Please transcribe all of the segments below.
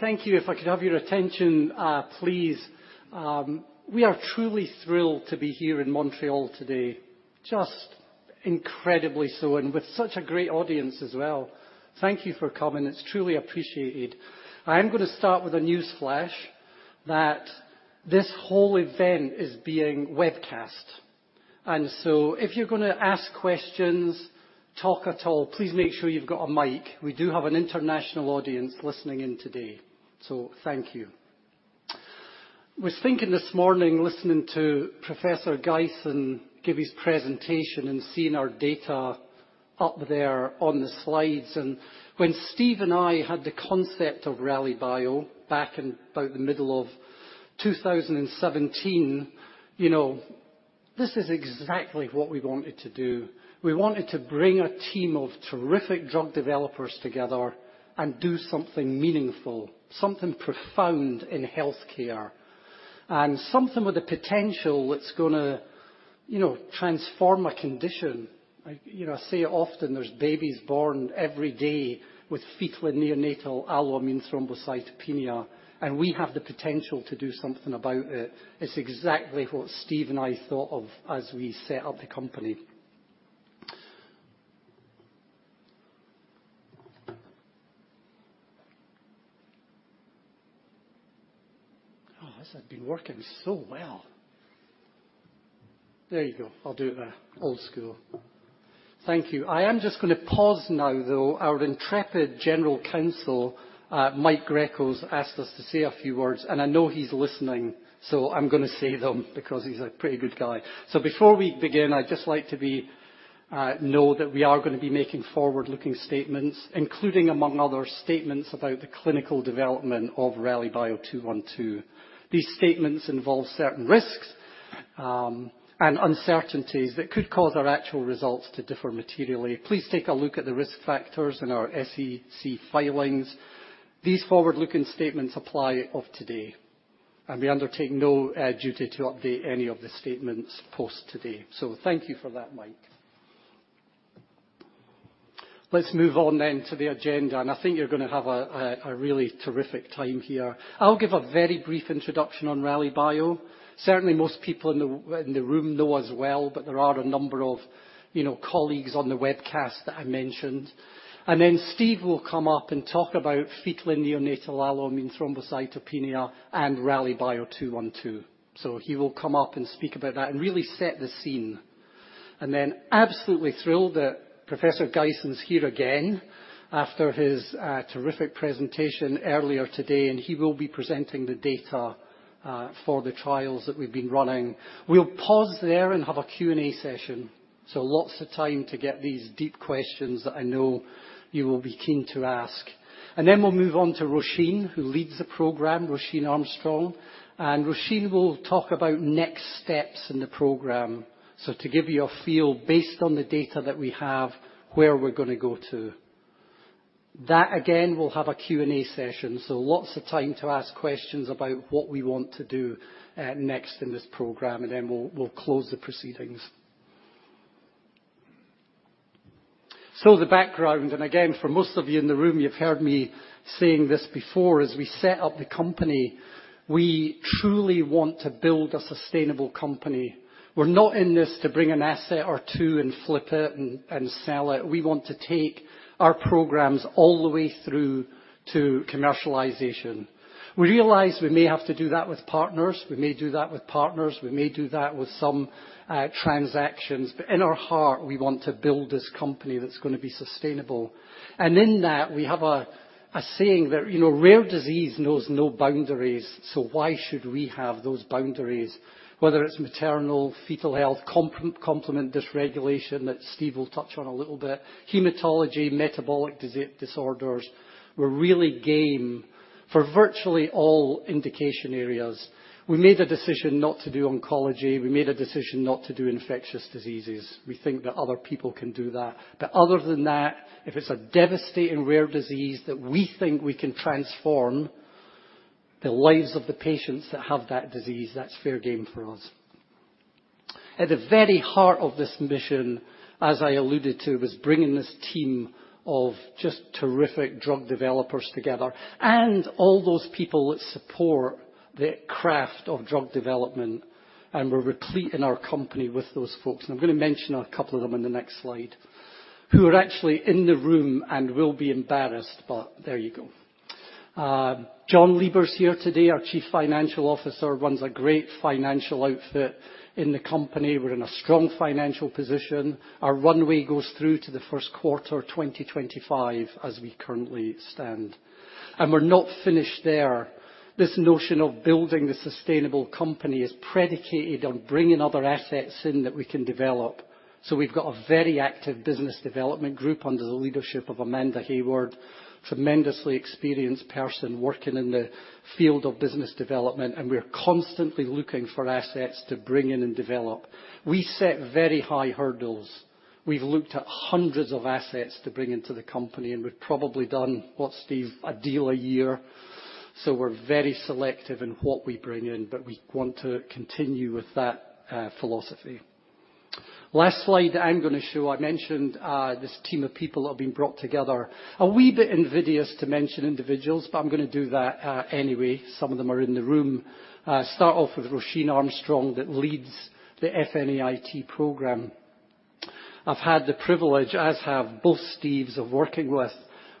Thank you. If I could have your attention, please. We are truly thrilled to be here in Montreal today, just incredibly so, and with such a great audience as well. Thank you for coming. It's truly appreciated. I am gonna start with a newsflash, that this whole event is being webcast. If you're gonna ask questions, talk at all, please make sure you've got a mic. We do have an international audience listening in today, so thank you. I was thinking this morning, listening to Christof Geisen give his presentation and seeing our data up there on the slides, when Steve and I had the concept of Rallybio back in about the middle of 2017, you know, this is exactly what we wanted to do. We wanted to bring a team of terrific drug developers together and do something meaningful, something profound in healthcare, and something with the potential that's gonna, you know, transform a condition. You know, I say it often, there's babies born every day with Fetal and Neonatal Alloimmune Thrombocytopenia, and we have the potential to do something about it. It's exactly what Steve and I thought of as we set up the company. Oh, this had been working so well. There you go. I'll do it the old school. Thank you. I am just gonna pause now, though. Our intrepid General Counsel, Michael Greco, asked us to say a few words, and I know he's listening, so I'm gonna say them because he's a pretty good guy. Before we begin, I'd just like to know that we are gonna be making forward-looking statements, including among other statements about the clinical development of RLYB212. These statements involve certain risks and uncertainties that could cause our actual results to differ materially. Please take a look at the risk factors in our SEC filings. These forward-looking statements apply of today, and we undertake no duty to update any of the statements post today. Thank you for that, Mike. Let's move on then to the agenda, and I think you're gonna have a really terrific time here. I'll give a very brief introduction on Rallybio. Certainly, most people in the room know us well, but there are a number of, you know, colleagues on the webcast that I mentioned. Steve will come up and talk about fetal and neonatal alloimmune thrombocytopenia and Rallybio-212. He will come up and speak about that and really set the scene. Absolutely thrilled that Christof Geisen's here again after his terrific presentation earlier today, and he will be presenting the data for the trials that we've been running. We'll pause there and have a Q&A session, so lots of time to get these deep questions that I know you will be keen to ask. We'll move on to Róisín, who leads the program, Róisín Armstrong, and Róisín will talk about next steps in the program. To give you a feel, based on the data that we have, where we're gonna go to. Again, we'll have a Q&A session, lots of time to ask questions about what we want to do next in this program, and then we'll close the proceedings. The background, again, for most of you in the room, you've heard me saying this before. As we set up the company, we truly want to build a sustainable company. We're not in this to bring an asset or two and flip it and sell it. We want to take our programs all the way through to commercialization. We realize we may have to do that with partners, we may do that with some transactions, but in our heart, we want to build this company that's gonna be sustainable. In that, we have a saying that, you know, "Rare disease knows no boundaries," so why should we have those boundaries? Whether it's maternal, fetal health, complement dysregulation, that Steve will touch on a little bit, hematology, metabolic disorders, we're really game for virtually all indication areas. We made a decision not to do oncology. We made a decision not to do infectious diseases. We think that other people can do that. Other than that, if it's a devastating rare disease that we think we can transform the lives of the patients that have that disease, that's fair game for us. At the very heart of this mission, as I alluded to, was bringing this team of just terrific drug developers together and all those people that support the craft of drug development, and we're replete in our company with those folks. I'm going to mention a couple of them in the next slide, who are actually in the room and will be embarrassed, but there you go. Jonathan Lieber's here today, our chief financial officer, runs a great financial outfit in the company. We're in a strong financial position. Our runway goes through to the first quarter of 2025, as we currently stand. We're not finished there. This notion of building a sustainable company is predicated on bringing other assets in that we can develop. We've got a very active business development group under the leadership of Amanda Hayward, tremendously experienced person working in the field of business development, and we're constantly looking for assets to bring in and develop. We set very high hurdles. We've looked at hundreds of assets to bring into the company, and we've probably done, what, Steve? A deal a year. We're very selective in what we bring in, but we want to continue with that philosophy. Last slide I'm gonna show, I mentioned this team of people that have been brought together. A wee bit invidious to mention individuals, but I'm gonna do that anyway. Some of them are in the room. Start off with Róisín Armstrong, that leads the FNAIT program. I've had the privilege, as have both Steves, of working with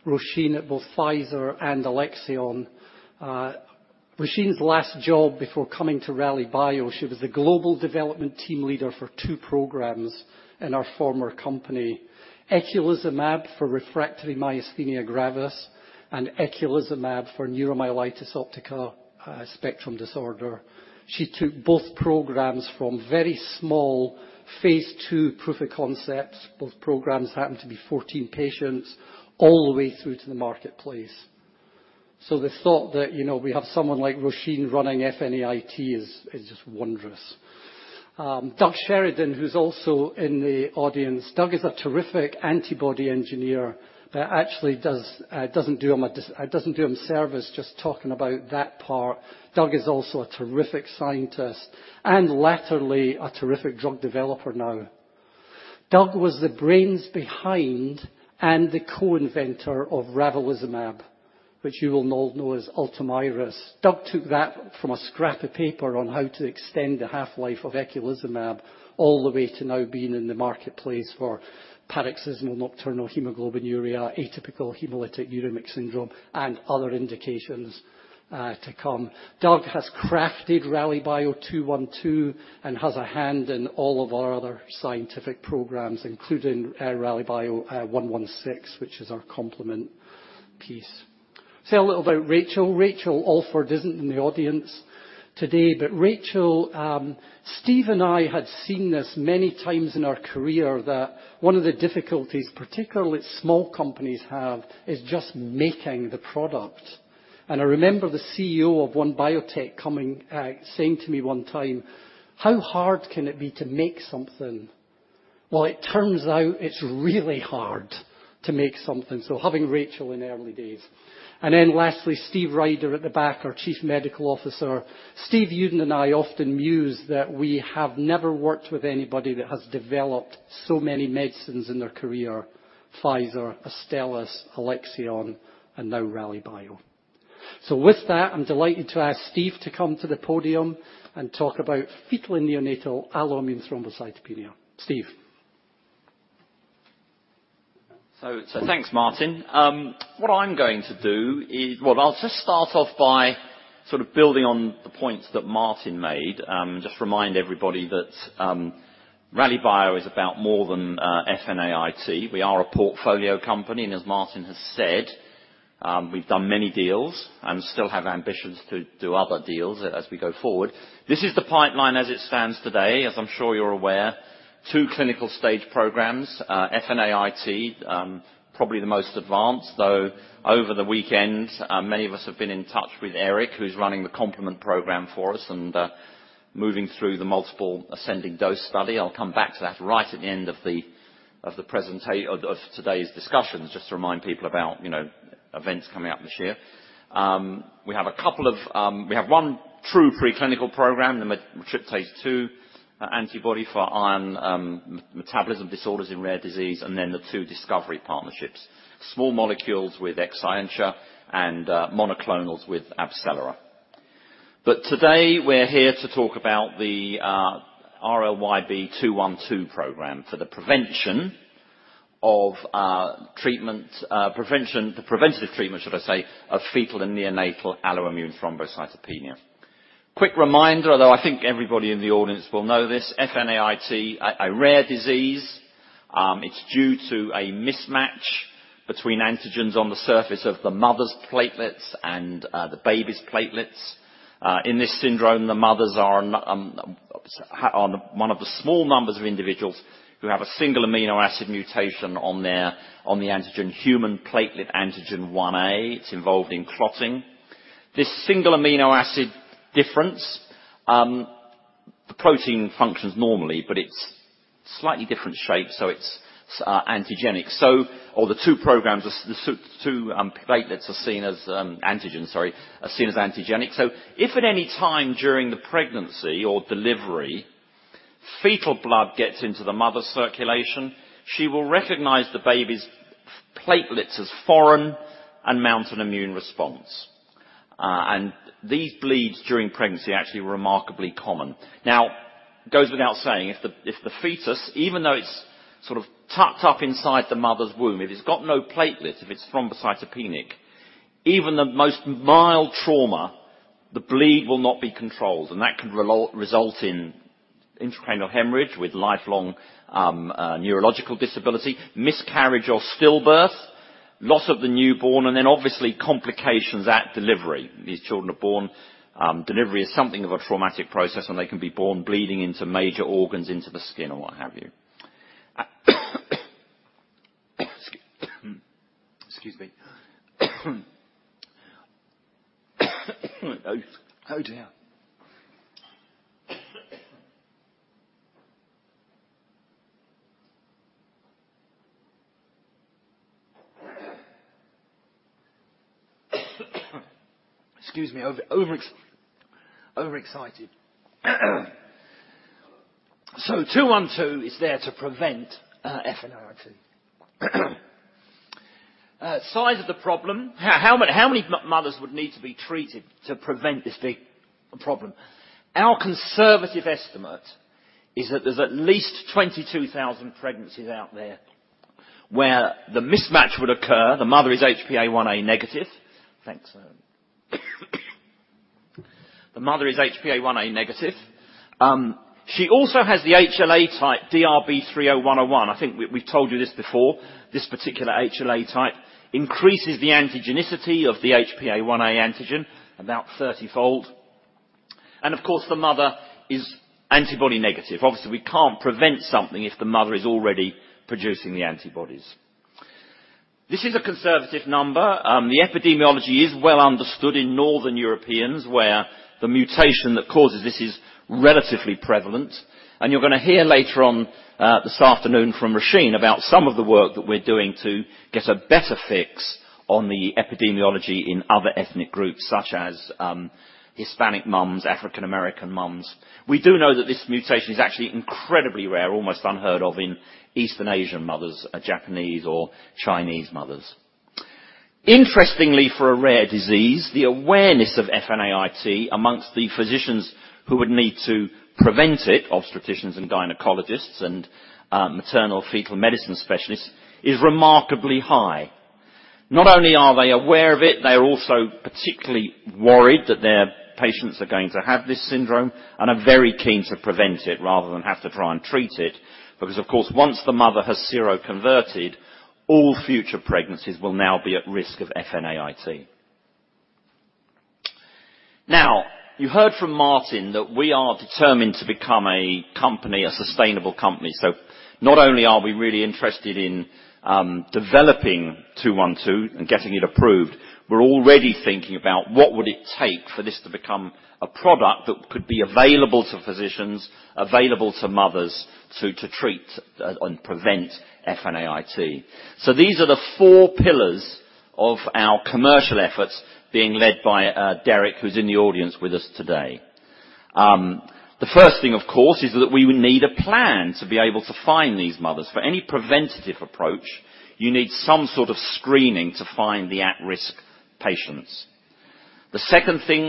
Róisín at both Pfizer and Alexion. Róisín's last job before coming to Rallybio, she was the global development team leader for two programs in our former company, eculizumab for refractory myasthenia gravis and eculizumab for neuromyelitis optica spectrum disorder. She took both programs from very small phase II proof of concepts, both programs happened to be 14 patients, all the way through to the marketplace. The thought that, you know, we have someone like Róisín running FNAIT is just wondrous. Doug Sheridan, who's also in the audience, Doug is a terrific antibody engineer, that actually doesn't do him service just talking about that part. Doug is also a terrific scientist and laterally, a terrific drug developer now. Doug was the brains behind and the co-inventor of ravulizumab, which you will all know as ULTOMIRIS. Doug took that from a scrap of paper on how to extend the half-life of eculizumab, all the way to now being in the marketplace for paroxysmal nocturnal hemoglobinuria, atypical hemolytic uremic syndrome, and other indications to come. Doug has crafted Rallybio-212 and has a hand in all of our other scientific programs, including Rallybio-116, which is our complement piece. Say a little about Rachael. Rachael Alford isn't in the audience today, but Rachael, Steve Uden and I had seen this many times in our career, that one of the difficulties, particularly small companies have, is just making the product. I remember the CEO of one biotech coming, saying to me one time, "How hard can it be to make something?" Well, it turns out it's really hard to make something. Having Rachael in the early days. Lastly, Steve Ryder at the back, our Chief Medical Officer. Steve Uden and I often muse that we have never worked with anybody that has developed so many medicines in their career, Pfizer, Astellas, Alexion, and now Rallybio. With that, I'm delighted to ask Steve to come to the podium and talk about Fetal and Neonatal Alloimmune Thrombocytopenia. Steve? Thanks, Martin. What I'm going to do. Well, I'll just start off by sort of building on the points that Martin made. Just remind everybody that Rallybio is about more than FNAIT. We are a portfolio company, as Martin has said, we've done many deals and still have ambitions to do other deals as we go forward. This is the pipeline as it stands today, as I'm sure you're aware. Two clinical stage programs, FNAIT, probably the most advanced, though over the weekend, many of us have been in touch with Eric, who's running the complement program for us and moving through the multiple ascending dose study. I'll come back to that right at the end of today's discussions, just to remind people about, you know, events coming up this year. We have one true preclinical program, the matriptase-2 antibody for iron metabolism disorders in rare disease, then the two discovery partnerships, small molecules with Exscientia and monoclonals with AbCellera. Today, we're here to talk about the RLYB212 program for the prevention of the preventative treatment, should I say, of Fetal and Neonatal Alloimmune Thrombocytopenia. Quick reminder, although I think everybody in the audience will know this, FNAIT, a rare disease. It's due to a mismatch between antigens on the surface of the mother's platelets and the baby's platelets. In this syndrome, the mothers are one of the small numbers of individuals who have a single amino acid mutation on the antigen, Human Platelet Antigen 1a. It's involved in clotting. This single amino acid difference, the protein functions normally, but it's slightly different shape, so it's antigenic. All the two programs, the two platelets are seen as antigens, sorry, are seen as antigenic. If at any time during the pregnancy or delivery, fetal blood gets into the mother's circulation, she will recognize the baby's platelets as foreign and mount an immune response. These bleeds during pregnancy are actually remarkably common. Now, it goes without saying, if the, if the fetus, even though it's sort of tucked up inside the mother's womb, if it's got no platelets, if it's thrombocytopenic, even the most mild trauma, the bleed will not be controlled, and that can result in intracranial hemorrhage with lifelong neurological disability, miscarriage or stillbirth, loss of the newborn, and then obviously, complications at delivery. These children are born, delivery is something of a traumatic process, and they can be born bleeding into major organs, into the skin, or what have you. Excuse me. Oh, dear. Excuse me, overexcited. RLYB212 is there to prevent FNAIT. Size of the problem, how many mothers would need to be treated to prevent this big problem? Our conservative estimate is that there's at least 22,000 pregnancies out there where the mismatch would occur. The mother is HPA-1a negative. Thanks, sir. The mother is HPA-1a negative. She also has the HLA type HLA-DRB3*01:01. I think we've told you this before. This particular HLA type increases the antigenicity of the HPA-1a antigen, about 30-fold, and of course, the mother is antibody negative. Obviously, we can't prevent something if the mother is already producing the antibodies. This is a conservative number. The epidemiology is well understood in Northern Europeans, where the mutation that causes this is relatively prevalent, and you're gonna hear later on this afternoon from Róisín about some of the work that we're doing to get a better fix on the epidemiology in other ethnic groups such as Hispanic moms, African-American moms. We do know that this mutation is actually incredibly rare, almost unheard of in Eastern Asian mothers, Japanese or Chinese mothers. Interestingly, for a rare disease, the awareness of FNAIT amongst the physicians who would need to prevent it, obstetricians and gynecologists, and maternal-fetal medicine specialists, is remarkably high. Not only are they aware of it, they are also particularly worried that their patients are going to have this syndrome and are very keen to prevent it rather than have to try and treat it, because, of course, once the mother has seroconverted, all future pregnancies will now be at risk of FNAIT. You heard from Martin that we are determined to become a company, a sustainable company. Not only are we really interested in developing RLYB212 and getting it approved, we're already thinking about what would it take for this to become a product that could be available to physicians, available to mothers, to treat and prevent FNAIT. These are the four pillars of our commercial efforts being led by Derek, who's in the audience with us today. The first thing, of course, is that we would need a plan to be able to find these mothers. For any preventative approach, you need some sort of screening to find the at-risk patients.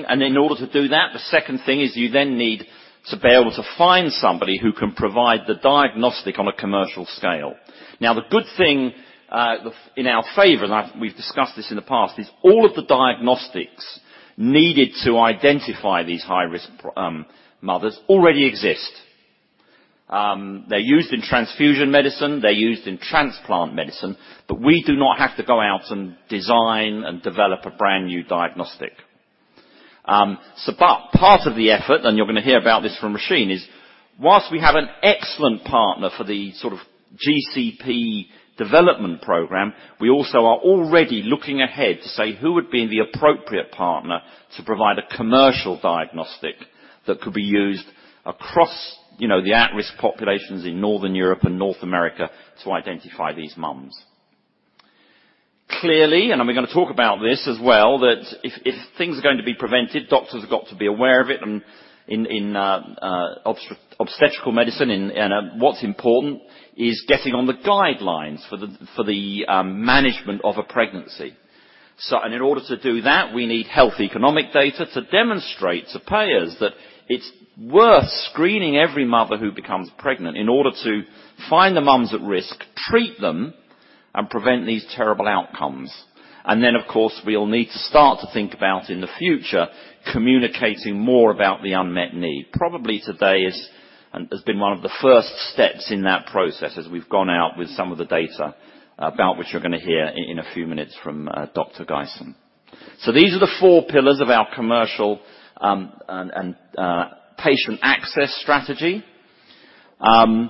In order to do that, the second thing is you then need to be able to find somebody who can provide the diagnostic on a commercial scale. Now, the good thing, in our favor, and we've discussed this in the past, is all of the diagnostics needed to identify these high-risk mothers already exist. They're used in transfusion medicine, they're used in transplant medicine, we do not have to go out and design and develop a brand-new diagnostic. Part of the effort, you're gonna hear about this from Róisín, is whilst we have an excellent partner for the sort of GCP development program, we also are already looking ahead to say who would be the appropriate partner to provide a commercial diagnostic that could be used across, you know, the at-risk populations in Northern Europe and North America to identify these moms. Clearly, we're gonna talk about this as well, that if things are going to be prevented, doctors have got to be aware of it and in obstetrical medicine, and what's important is getting on the guidelines for the management of a pregnancy. In order to do that, we need health economic data to demonstrate to payers that it's worth screening every mother who becomes pregnant in order to find the moms at risk, treat them, and prevent these terrible outcomes. Of course, we'll need to start to think about, in the future, communicating more about the unmet need. Probably, today is, and has been one of the first steps in that process as we've gone out with some of the data, about which you're gonna hear in a few minutes from Dr. Geisen. These are the four pillars of our commercial and patient access strategy. I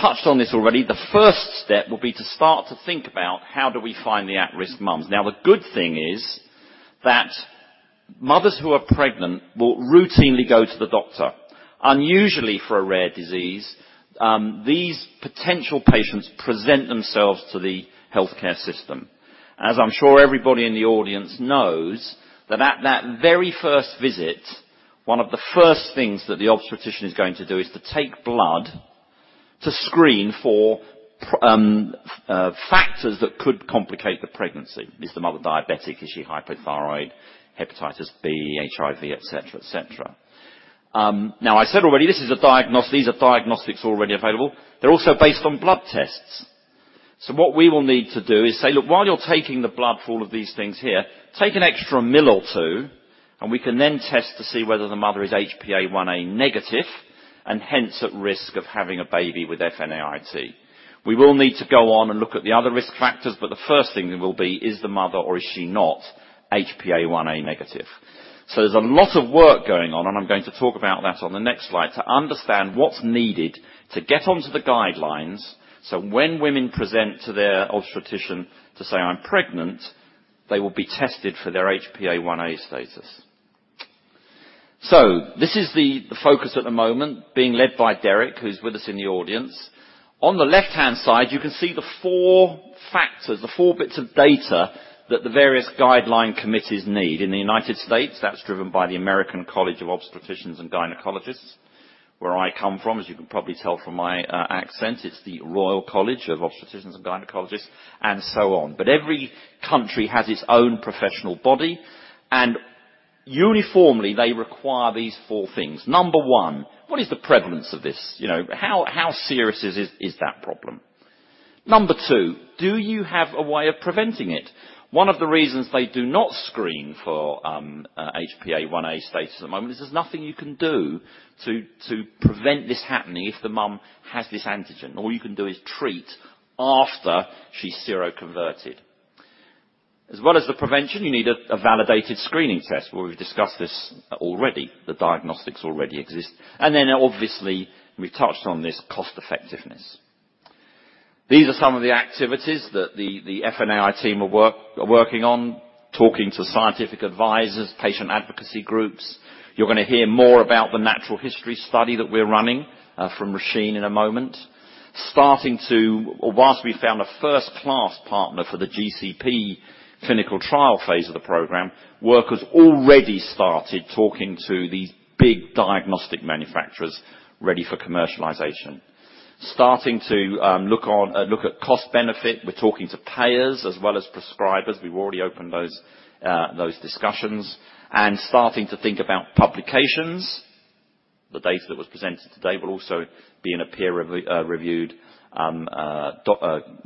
touched on this already. The first step will be to start to think about how do we find the at-risk moms. The good thing is that mothers who are pregnant will routinely go to the doctor. Unusually, for a rare disease, these potential patients present themselves to the healthcare system. As I'm sure everybody in the audience knows, that at that very first visit, one of the first things that the obstetrician is going to do is to take blood to screen for factors that could complicate the pregnancy. Is the mother diabetic? Is she hypothyroid, hepatitis B, HIV, et cetera, et cetera. I said already, these are diagnostics already available. They're also based on blood tests. What we will need to do is say, "Look, while you're taking the blood for all of these things here, take an extra mil or two, and we can then test to see whether the mother is HPA-1a negative, and hence, at risk of having a baby with FNAIT." We will need to go on and look at the other risk factors. The first thing will be, is the mother or is she not HPA-1a negative? There's a lot of work going on, and I'm going to talk about that on the next slide, to understand what's needed to get onto the guidelines, so when women present to their obstetrician to say, "I'm pregnant," they will be tested for their HPA-1a status. This is the focus at the moment, being led by Derek, who's with us in the audience. On the left-hand side, you can see the four factors, the four bits of data that the various guideline committees need. In the United States, that's driven by the American College of Obstetricians and Gynecologists. Where I come from, as you can probably tell from my accent, it's the Royal College of Obstetricians and Gynecologists, and so on. Every country has its own professional body, and uniformly, they require these four things. Number one: what is the prevalence of this? You know, how serious is that problem? Number two: do you have a way of preventing it? One of the reasons they do not screen for HPA-1a status at the moment is there's nothing you can do to prevent this happening if the mom has this antigen. All you can do is treat after she's seroconverted. As well as the prevention, you need a validated screening test, where we've discussed this already, the diagnostics already exist. Obviously, we've touched on this, cost effectiveness. These are some of the activities that the FNAIT team are working on, talking to scientific advisors, patient advocacy groups. You're gonna hear more about the natural history study that we're running from Róisín in a moment. Whilst we found a first-class partner for the GCP clinical trial phase of the program, workers already started talking to these big diagnostic manufacturers ready for commercialization. Starting to look at cost benefit, we're talking to payers as well as prescribers. We've already opened those discussions, and starting to think about publications. The data that was presented today will also be in a peer reviewed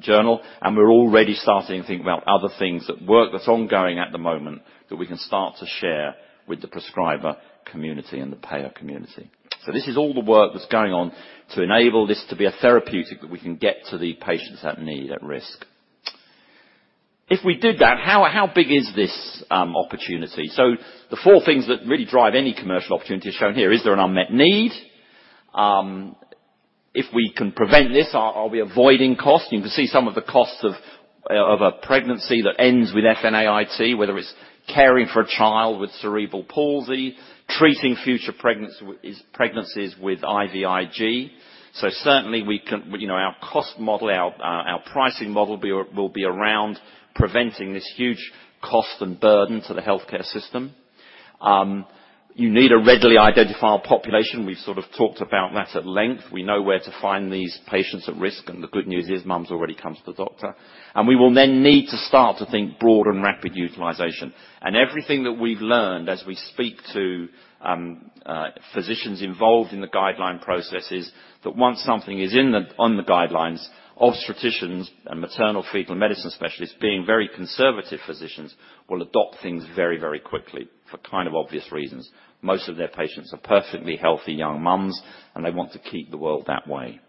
journal. We're already starting to think about other things that work, that's ongoing at the moment, that we can start to share with the prescriber community and the payer community. This is all the work that's going on to enable this to be a therapeutic that we can get to the patients at need, at risk. If we did that, how big is this opportunity? The four things that really drive any commercial opportunity is shown here. Is there an unmet need? If we can prevent this, are we avoiding cost? You can see some of the costs of a pregnancy that ends with FNAIT, whether it's caring for a child with cerebral palsy, treating future pregnancies with IVIG. Certainly, we can You know, our cost model, our pricing model will be around preventing this huge cost and burden to the healthcare system. You need a readily identifiable population. We've sort of talked about that at length. We know where to find these patients at risk, the good news is, moms already come to the doctor. We will then need to start to think broad and rapid utilization. Everything that we've learned as we speak to physicians involved in the guideline process is, that once something is on the guidelines, obstetricians and maternal-fetal medicine specialists, being very conservative physicians, will adopt things very, very quickly for kind of obvious reasons. Most of their patients are perfectly healthy young moms, they want to keep the world that way.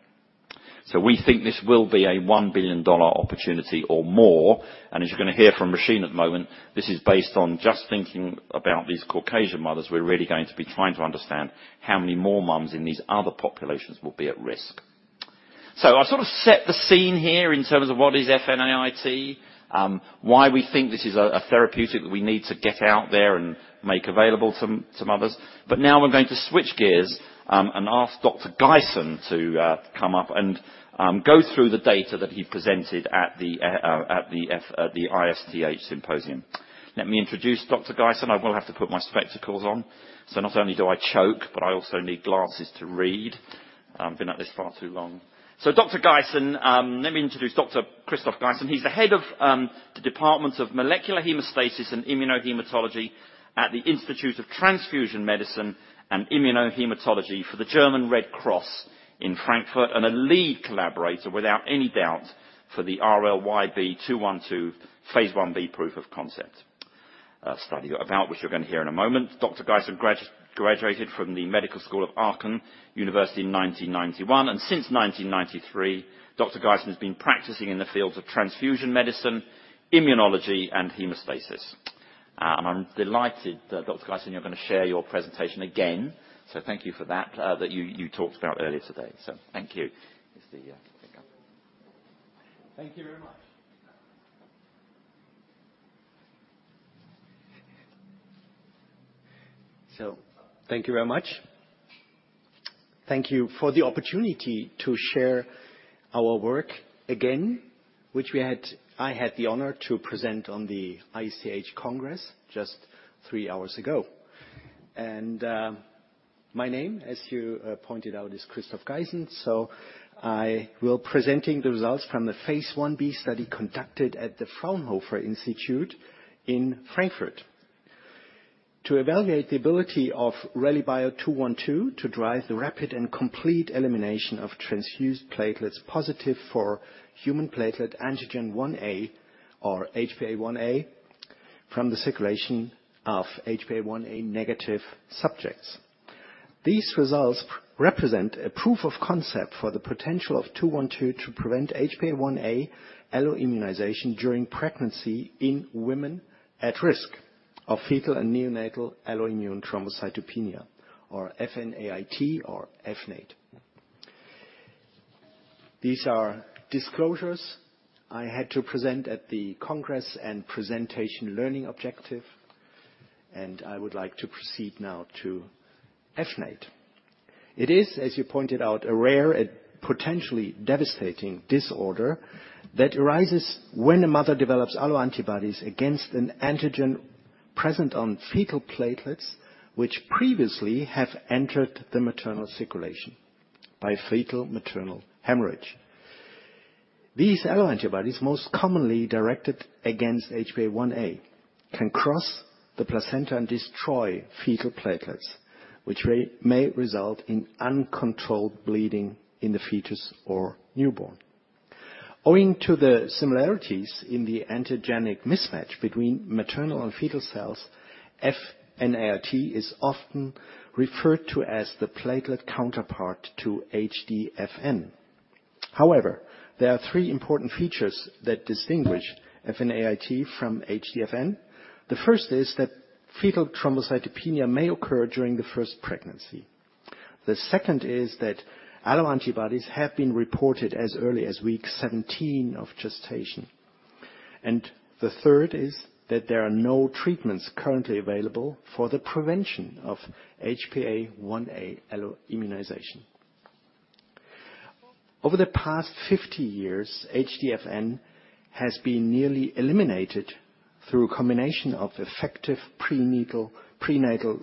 We think this will be a $1 billion opportunity or more, and as you're gonna hear from Róisín at the moment, this is based on just thinking about these Caucasian mothers. We're really going to be trying to understand how many more moms in these other populations will be at risk. I sort of set the scene here in terms of what is FNAIT, why we think this is a therapeutic that we need to get out there and make available to mothers. Now I'm going to switch gears and ask Dr. Geisen to come up and go through the data that he presented at the ISTH symposium. Let me introduce Dr. Geisen. I will have to put my spectacles on. Not only do I choke, but I also need glasses to read. I've been at this far too long. Dr. Geisen, let me introduce Dr. Christof Geisen. He's the head of the Department of Molecular Hemostasis and Immunohaematology at the Institute of Transfusion Medicine and Immunohaematology for the German Red Cross in Frankfurt, and a lead collaborator, without any doubt, for the RLYB212 phase I-B proof of concept, a study about which you're going to hear in a moment. Dr. Geisen graduated from the Medical School of Aachen University in 1991, and since 1993, Dr. Geisen has been practicing in the fields of transfusion medicine, immunology, and hemostasis. I'm delighted that, Dr. Geisen, you're gonna share your presentation again, thank you for that you talked about earlier today. Thank you. Here's the clicker. Thank you very much. Thank you very much. Thank you for the opportunity to share our work again, which I had the honor to present on the ISTH Congress just 3 hours ago. My name, as you pointed out, is Christof Geisen, I will presenting the results from the phase I-B study conducted at the Fraunhofer Institute in Frankfurt. To evaluate the ability of Rallybio RLYB212 to drive the rapid and complete elimination of transfused platelets positive for Human Platelet Antigen 1a, or HPA-1a, from the circulation of HPA-1a negative subjects. These results represent a proof of concept for the potential of RLYB212 to prevent HPA-1a alloimmunization during pregnancy in women at risk of Fetal and Neonatal Alloimmune Thrombocytopenia, or FNAIT. These are disclosures I had to present at the Congress and presentation learning objective. I would like to proceed now to FNAIT. It is, as you pointed out, a rare and potentially devastating disorder that arises when a mother develops alloantibodies against an antigen present on fetal platelets, which previously have entered the maternal circulation by fetal-maternal hemorrhage. These alloantibodies, most commonly directed against HPA-1a, can cross the placenta and destroy fetal platelets, which may result in uncontrolled bleeding in the fetus or newborn. Owing to the similarities in the antigenic mismatch between maternal and fetal cells, FNAIT is often referred to as the platelet counterpart to HDFN. There are three important features that distinguish FNAIT from HDFN. The first is that fetal thrombocytopenia may occur during the first pregnancy. The second is that alloantibodies have been reported as early as week 17 of gestation. The third is that there are no treatments currently available for the prevention of HPA-1a alloimmunization. Over the past 50 years, HDFN has been nearly eliminated through a combination of effective prenatal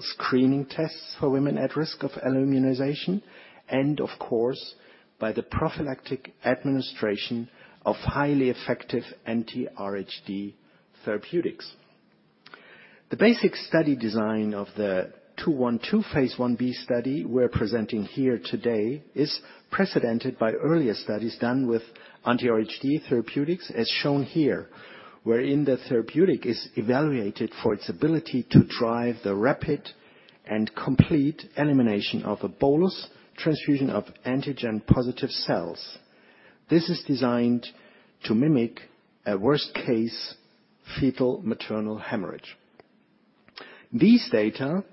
screening tests for women at risk of alloimmunization, and of course, by the prophylactic administration of highly effective anti-RhD therapeutics. The basic study design of the 212 phase I-B study we're presenting here today is precedented by earlier studies done with anti-RhD therapeutics, as shown here, wherein the therapeutic is evaluated for its ability to drive the rapid and complete elimination of a bolus transfusion of antigen-positive cells. This is designed to mimic a worst-case fetal-maternal hemorrhage. These data,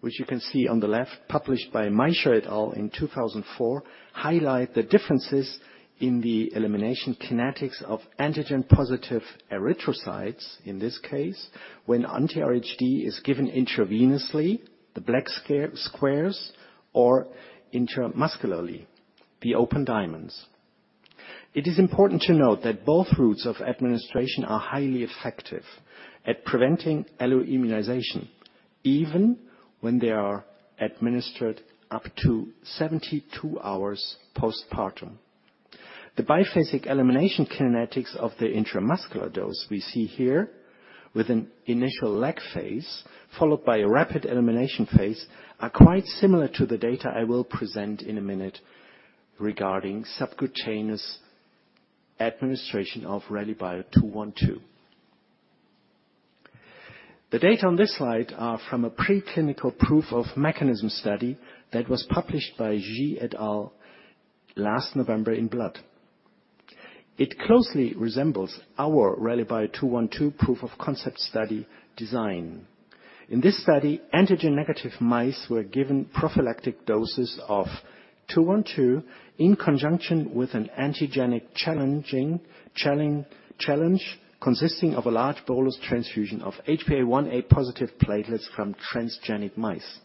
which you can see on the left, published by Maisch et al in 2004, highlight the differences in the elimination kinetics of antigen-positive erythrocytes. In this case, when anti-RhD is given intravenously, the black squares, or intramuscularly, the open diamonds. It is important to note that both routes of administration are highly effective at preventing alloimmunization, even when they are administered up to 72 hours postpartum. The biphasic elimination kinetics of the intramuscular dose we see here, with an initial lag phase followed by a rapid elimination phase, are quite similar to the data I will present in a minute regarding subcutaneous administration of RLYB212. The data on this slide are from a preclinical proof of mechanism study that was published by Xie et al last November in Blood. It closely resembles our RLYB212 proof of concept study design. In this study, antigen-negative mice were given prophylactic doses of 212 in conjunction with an antigenic challenge, consisting of a large bolus transfusion of HPA-1a positive platelets from transgenic mice.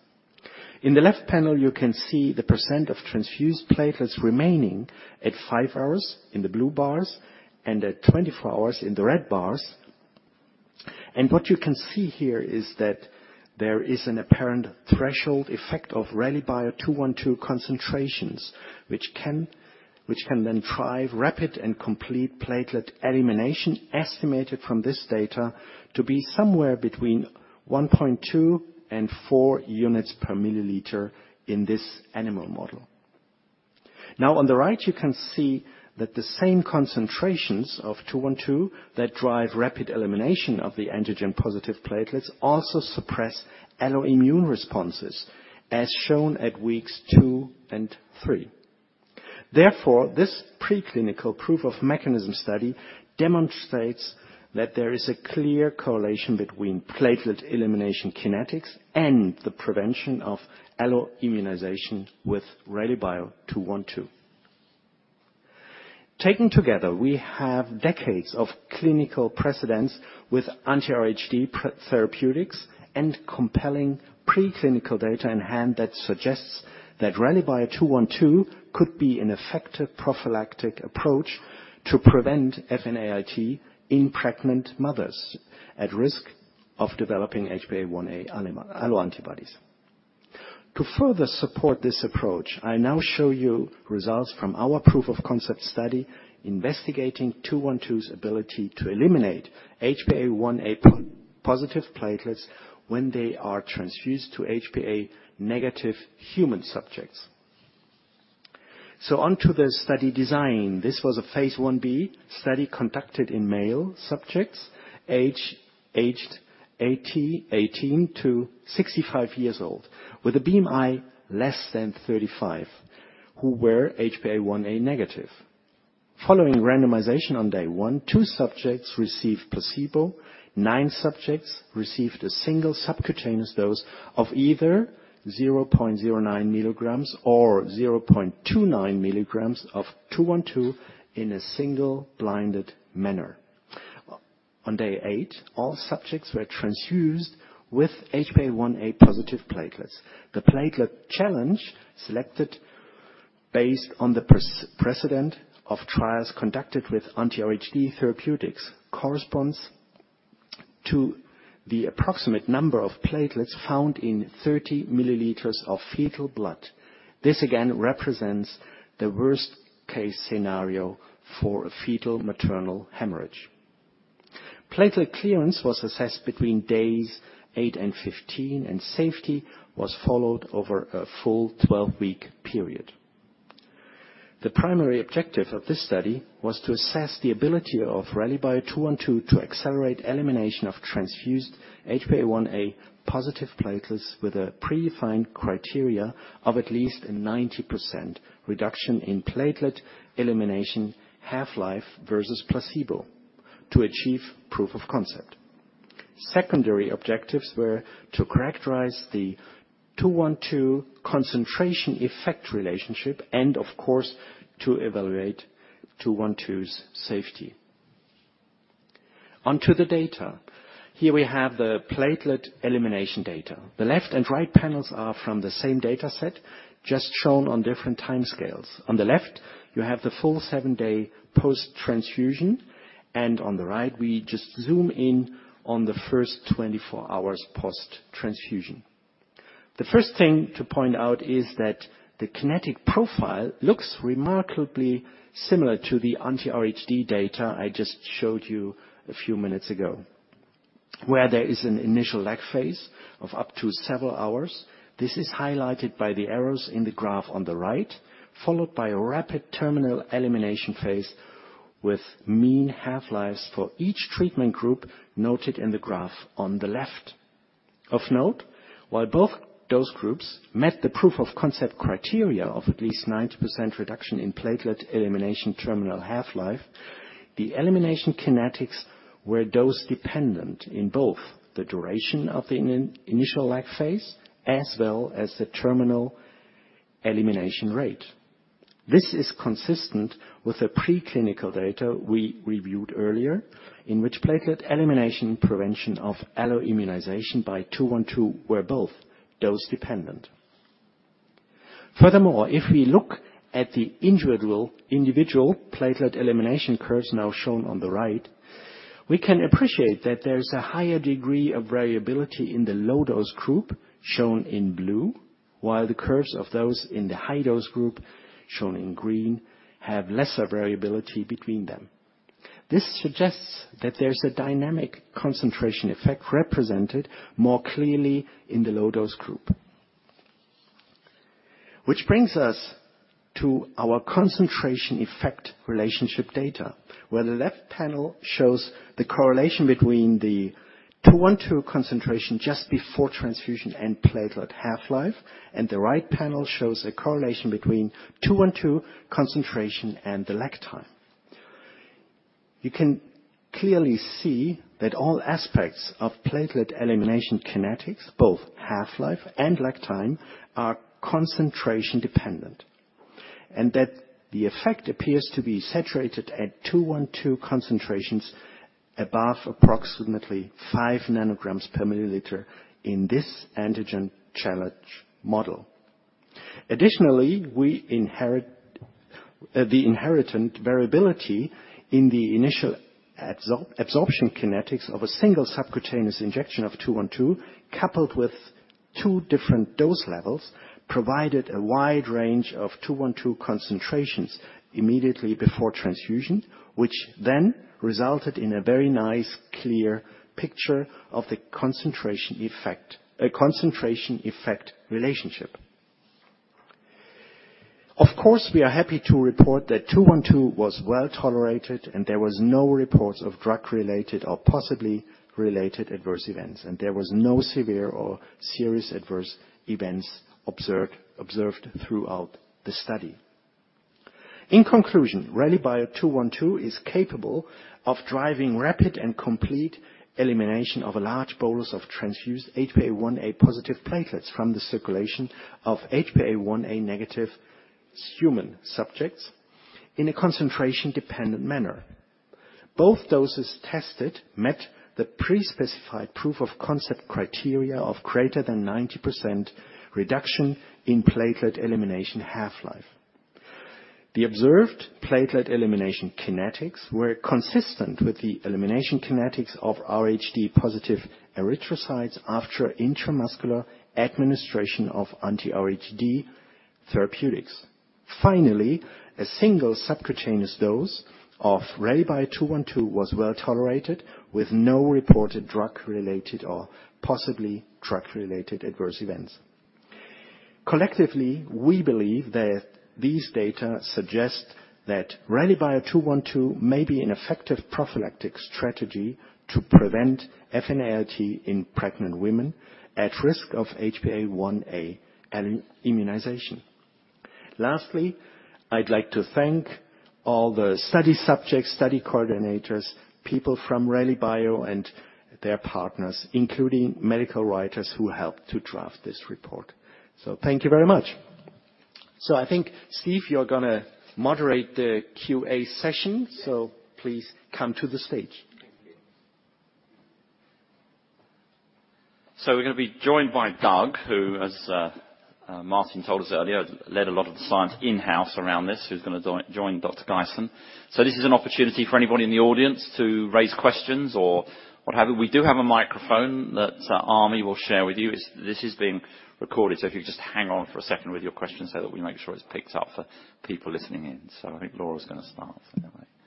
In the left panel, you can see the percent of transfused platelets remaining at five hours in the blue bars and at 24 hours in the red bars. What you can see here is that there is an apparent threshold effect of Rallybio 212 concentrations, which can then drive rapid and complete platelet elimination, estimated from this data to be somewhere between 1.2 and 4 units per milliliter in this animal model. On the right, you can see that the same concentrations of 212 that drive rapid elimination of the antigen-positive platelets also suppress alloimmune responses, as shown at weeks two and three. This preclinical proof of mechanism study demonstrates that there is a clear correlation between platelet elimination kinetics and the prevention of alloimmunization with RLYB212. Taken together, we have decades of clinical precedence with anti-RhD therapeutics and compelling preclinical data in hand that suggests that RLYB212 could be an effective prophylactic approach to prevent FNAIT in pregnant mothers at risk of developing HPA-1a alloantibodies. To further support this approach, I now show you results from our proof-of-concept study, investigating 212's ability to eliminate HPA-1a positive platelets when they are transfused to HPA-negative human subjects. On to the study design. This was a phase I-B study conducted in male subjects, aged 18 to 65 years old, with a BMI less than 35, who were HPA-1a negative. Following randomization on day one, two subjects received placebo, nine subjects received a single subcutaneous dose of either 0.09 mg or 0.29 mg of RLYB212 in a single-blinded manner. On day eight, all subjects were transfused with HPA-1a positive platelets. The platelet challenge, selected based on the precedent of trials conducted with anti-RhD therapeutics, corresponds to the approximate number of platelets found in 30 ml of fetal blood. This again, represents the worst case scenario for a fetal maternal hemorrhage. Platelet clearance was assessed between days eight and 15, and safety was followed over a full 12-week period. The primary objective of this study was to assess the ability of Rallybio 212 to accelerate elimination of transfused HPA-1a positive platelets with a predefined criteria of at least a 90% reduction in platelet elimination, half-life versus placebo, to achieve proof of concept. Secondary objectives were to characterize the 212 concentration effect relationship, and of course, to evaluate 212's safety. On to the data. Here we have the platelet elimination data. The left and right panels are from the same data set, just shown on different timescales. On the left, you have the full seven-day post-transfusion, and on the right, we just zoom in on the first 24 hours post-transfusion. The first thing to point out is that the kinetic profile looks remarkably similar to the anti-RhD data I just showed you a few minutes ago, where there is an initial lag phase of up to several hours. This is highlighted by the arrows in the graph on the right, followed by a rapid terminal elimination phase, with mean half-lives for each treatment group noted in the graph on the left. Of note, while both dose groups met the proof of concept criteria of at least 90% reduction in platelet elimination terminal half-life, the elimination kinetics were dose-dependent in both the duration of the initial lag phase as well as the terminal elimination rate. This is consistent with the preclinical data we reviewed earlier, in which platelet elimination, prevention of alloimmunization by 212, were both dose-dependent. Furthermore, if we look at the individual platelet elimination curves now shown on the right, we can appreciate that there's a higher degree of variability in the low-dose group, shown in blue, while the curves of those in the high-dose group, shown in green, have lesser variability between them. This suggests that there's a dynamic concentration effect represented more clearly in the low-dose group. Which brings us to our concentration effect relationship data, where the left panel shows the correlation between the 212 concentration just before transfusion and platelet half-life, and the right panel shows a correlation between 212 concentration and the lag time. You can clearly see that all aspects of platelet elimination kinetics, both half-life and lag time, are concentration dependent, and that the effect appears to be saturated at 212 concentrations above approximately 5 ng per milliliter in this antigen challenge model. Additionally, the inherent variability in the initial absorption kinetics of a single subcutaneous injection of 212, coupled with two different dose levels, provided a wide range of 212 concentrations immediately before transfusion, which then resulted in a very nice, clear picture of the concentration effect relationship. Of course, we are happy to report that 212 was well-tolerated, and there was no reports of drug-related or possibly related adverse events, and there was no severe or serious adverse events observed throughout the study. In conclusion, Rallybio 212 is capable of driving rapid and complete elimination of a large bolus of transfused HPA-1a positive platelets from the circulation of HPA-1a negative human subjects in a concentration-dependent manner. Both doses tested met the pre-specified proof of concept criteria of greater than 90% reduction in platelet elimination half-life. The observed platelet elimination kinetics were consistent with the elimination kinetics of RHD-positive erythrocytes after intramuscular administration of anti-RHD therapeutics. Finally, a single subcutaneous dose of Rallybio 212 was well-tolerated, with no reported drug-related or possibly drug-related adverse events. Collectively, we believe that these data suggest that Rallybio 212 may be an effective prophylactic strategy to prevent FNAIT in pregnant women at risk of HPA-1a alloimmunization. Lastly, I'd like to thank all the study subjects, study coordinators, people from Rallybio and their partners, including medical writers who helped to draft this report. Thank you very much. I think, Steve, you're gonna moderate the QA session, so please come to the stage. Thank you. We're gonna be joined by Doug, who, as Martin told us earlier, led a lot of the science in-house around this, who's gonna join Dr. Geisen. This is an opportunity for anybody in the audience to raise questions or what have you. We do have a microphone that Ami will share with you. This is being recorded, so if you just hang on for a second with your question so that we make sure it's picked up for people listening in. I think Laura's gonna start.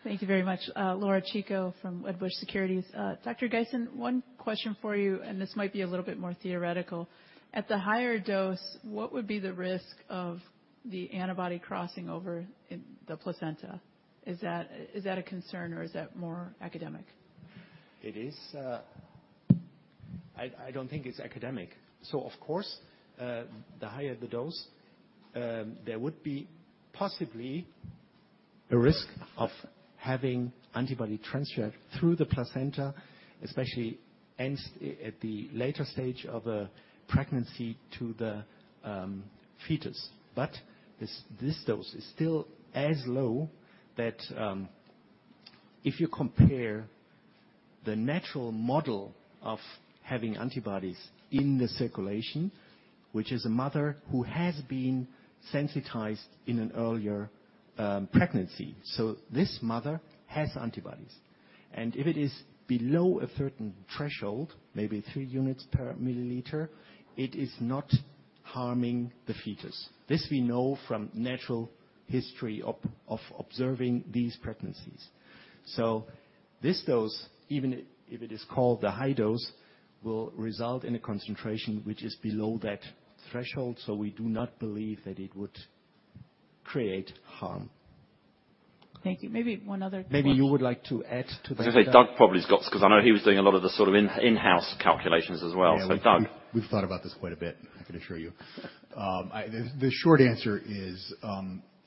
Thank you very much. Laura Chico from Wedbush Securities. Dr. Geisen, one question for you, this might be a little bit more theoretical. At the higher dose, what would be the risk of the antibody crossing over in the placenta? Is that a concern or is that more academic? It is, I don't think it's academic. Of course, the higher the dose, there would be possibly a risk of having antibody transfer through the placenta, especially and at the later stage of a pregnancy to the fetus. This dose is still as low that, if you compare the natural model of having antibodies in the circulation, which is a mother who has been sensitized in an earlier pregnancy, this mother has antibodies, and if it is below a certain threshold, maybe thre units per milliliter, it is not harming the fetus. This we know from natural history of observing these pregnancies. This dose, even if it is called a high dose, will result in a concentration which is below that threshold, we do not believe that it would create harm. Thank you. Maybe you would like to add to that. I was gonna say, Doug probably has got... 'Cause I know he was doing a lot of the sort of in-house calculations as well. Doug? Yeah, we've thought about this quite a bit, I can assure you. The short answer is,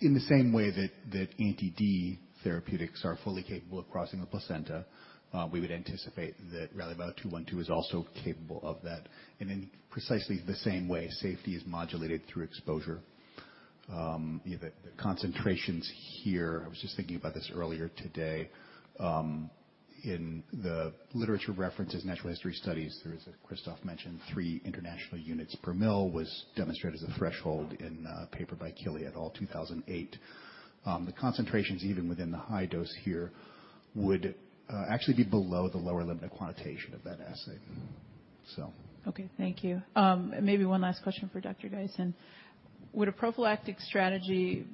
in the same way that anti-D therapeutics are fully capable of crossing the placenta, we would anticipate that RLYB212 is also capable of that. In precisely the same way, safety is modulated through exposure. You know, the concentrations here, I was just thinking about this earlier today, in the literature references, natural history studies, there is, as Christof mentioned, three international units per mL, was demonstrated as a threshold in a paper by Kelly et al., 2008. The concentrations, even within the high dose here, would actually be below the lower limit of quantitation of that assay, so. Okay, thank you. Maybe one last question for Dr. Geisen.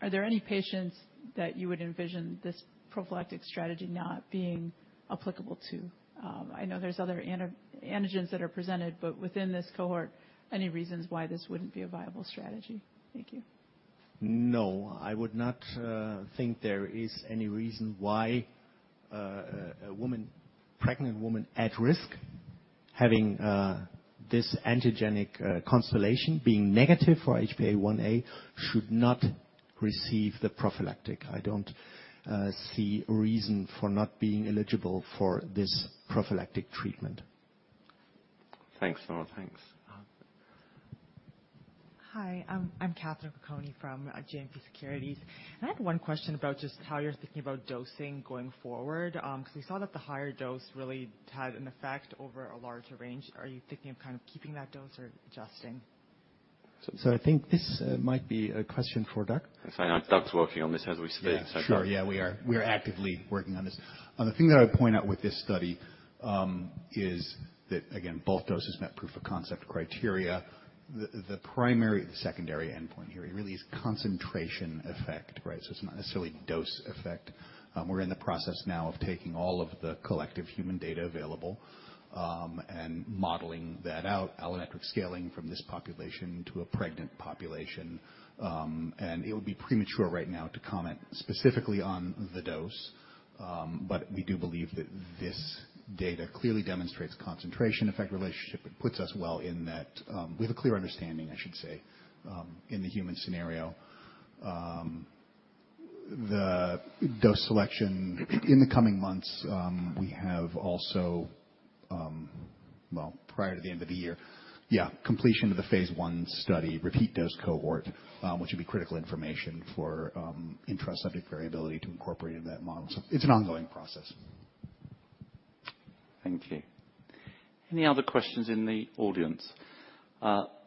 Are there any patients that you would envision this prophylactic strategy not being applicable to? I know there's other anti- antigens that are presented, but within this cohort, any reasons why this wouldn't be a viable strategy? Thank you. No, I would not think there is any reason why a woman, pregnant woman at risk, having this antigenic constellation, being negative for HPA-1a, should not receive the prophylactic. I don't see a reason for not being eligible for this prophylactic treatment. Thanks, Laura. Thanks. Hi, I'm Catherine Novack from JMP Securities. I had one question about just how you're thinking about dosing going forward. Cause we saw that the higher dose really had an effect over a larger range. Are you thinking of kind of keeping that dose or adjusting? I think this might be a question for Doug. I'm sorry. Doug's working on this as we speak. Yeah, sure. Yeah, we are. We are actively working on this. The thing that I would point out with this study, is that, again, both doses met proof of concept criteria. The, the primary, the secondary endpoint here, it really is concentration effect, right? It's not necessarily dose effect. We're in the process now of taking all of the collective human data available, and modeling that out, allometric scaling from this population to a pregnant population. It would be premature right now to comment specifically on the dose, but we do believe that this data clearly demonstrates concentration effect relationship. It puts us well in that. We have a clear understanding, I should say, in the human scenario. The dose selection, in the coming months, we have also, well, prior to the end of the year, completion of the phase I study, repeat dose cohort, which would be critical information for intra-subject variability to incorporate in that model. It's an ongoing process. Thank you. Any other questions in the audience?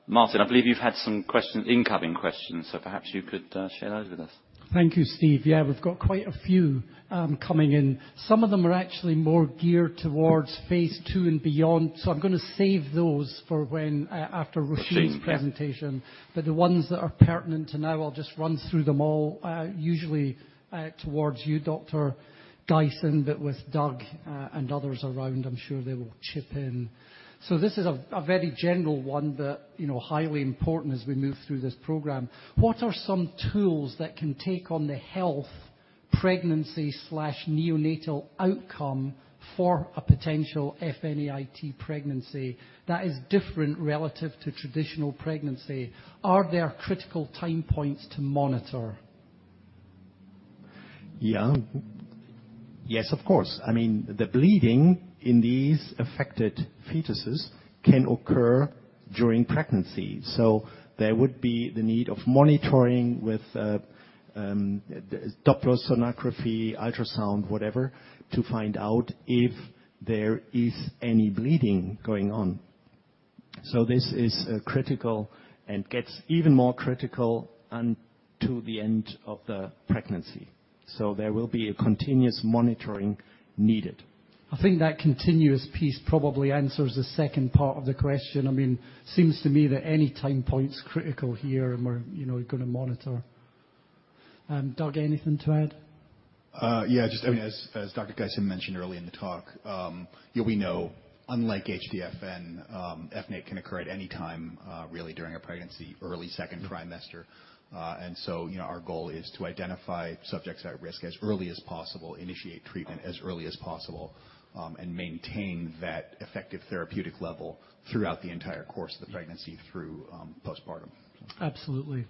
Martin, I believe you've had some questions, incoming questions, so perhaps you could share those with us. Thank you, Steve. Yeah, we've got quite a few coming in. Some of them are actually more geared towards phase II and beyond. I'm gonna save those for when. Sure, yeah. Róisín's presentation. The ones that are pertinent to now, I'll just run through them all, usually towards you, Dr. Geisen, but with Doug and others around, I'm sure they will chip in. This is a very general one, but, you know, highly important as we move through this program. What are some tools that can take on the pregnancy/neonatal outcome for a potential FNAIT pregnancy that is different relative to traditional pregnancy? Are there critical time points to monitor? Yeah. Yes, of course. I mean, the bleeding in these affected fetuses can occur during pregnancy, there would be the need of monitoring with, Doppler sonography, ultrasound, whatever, to find out if there is any bleeding going on. This is critical and gets even more critical unto the end of the pregnancy. There will be a continuous monitoring needed. I think that continuous piece probably answers the second part of the question. I mean, seems to me that any time point's critical here, and we're, you know, gonna monitor. Doug, anything to add? Just, I mean, as Dr. Geisen mentioned earlier in the talk, we know, unlike HDFN, FNAIT can occur at any time, really during a pregnancy, early second trimester. So, you know, our goal is to identify subjects at risk as early as possible, initiate treatment as early as possible, and maintain that effective therapeutic level throughout the entire course of the pregnancy through postpartum. Absolutely.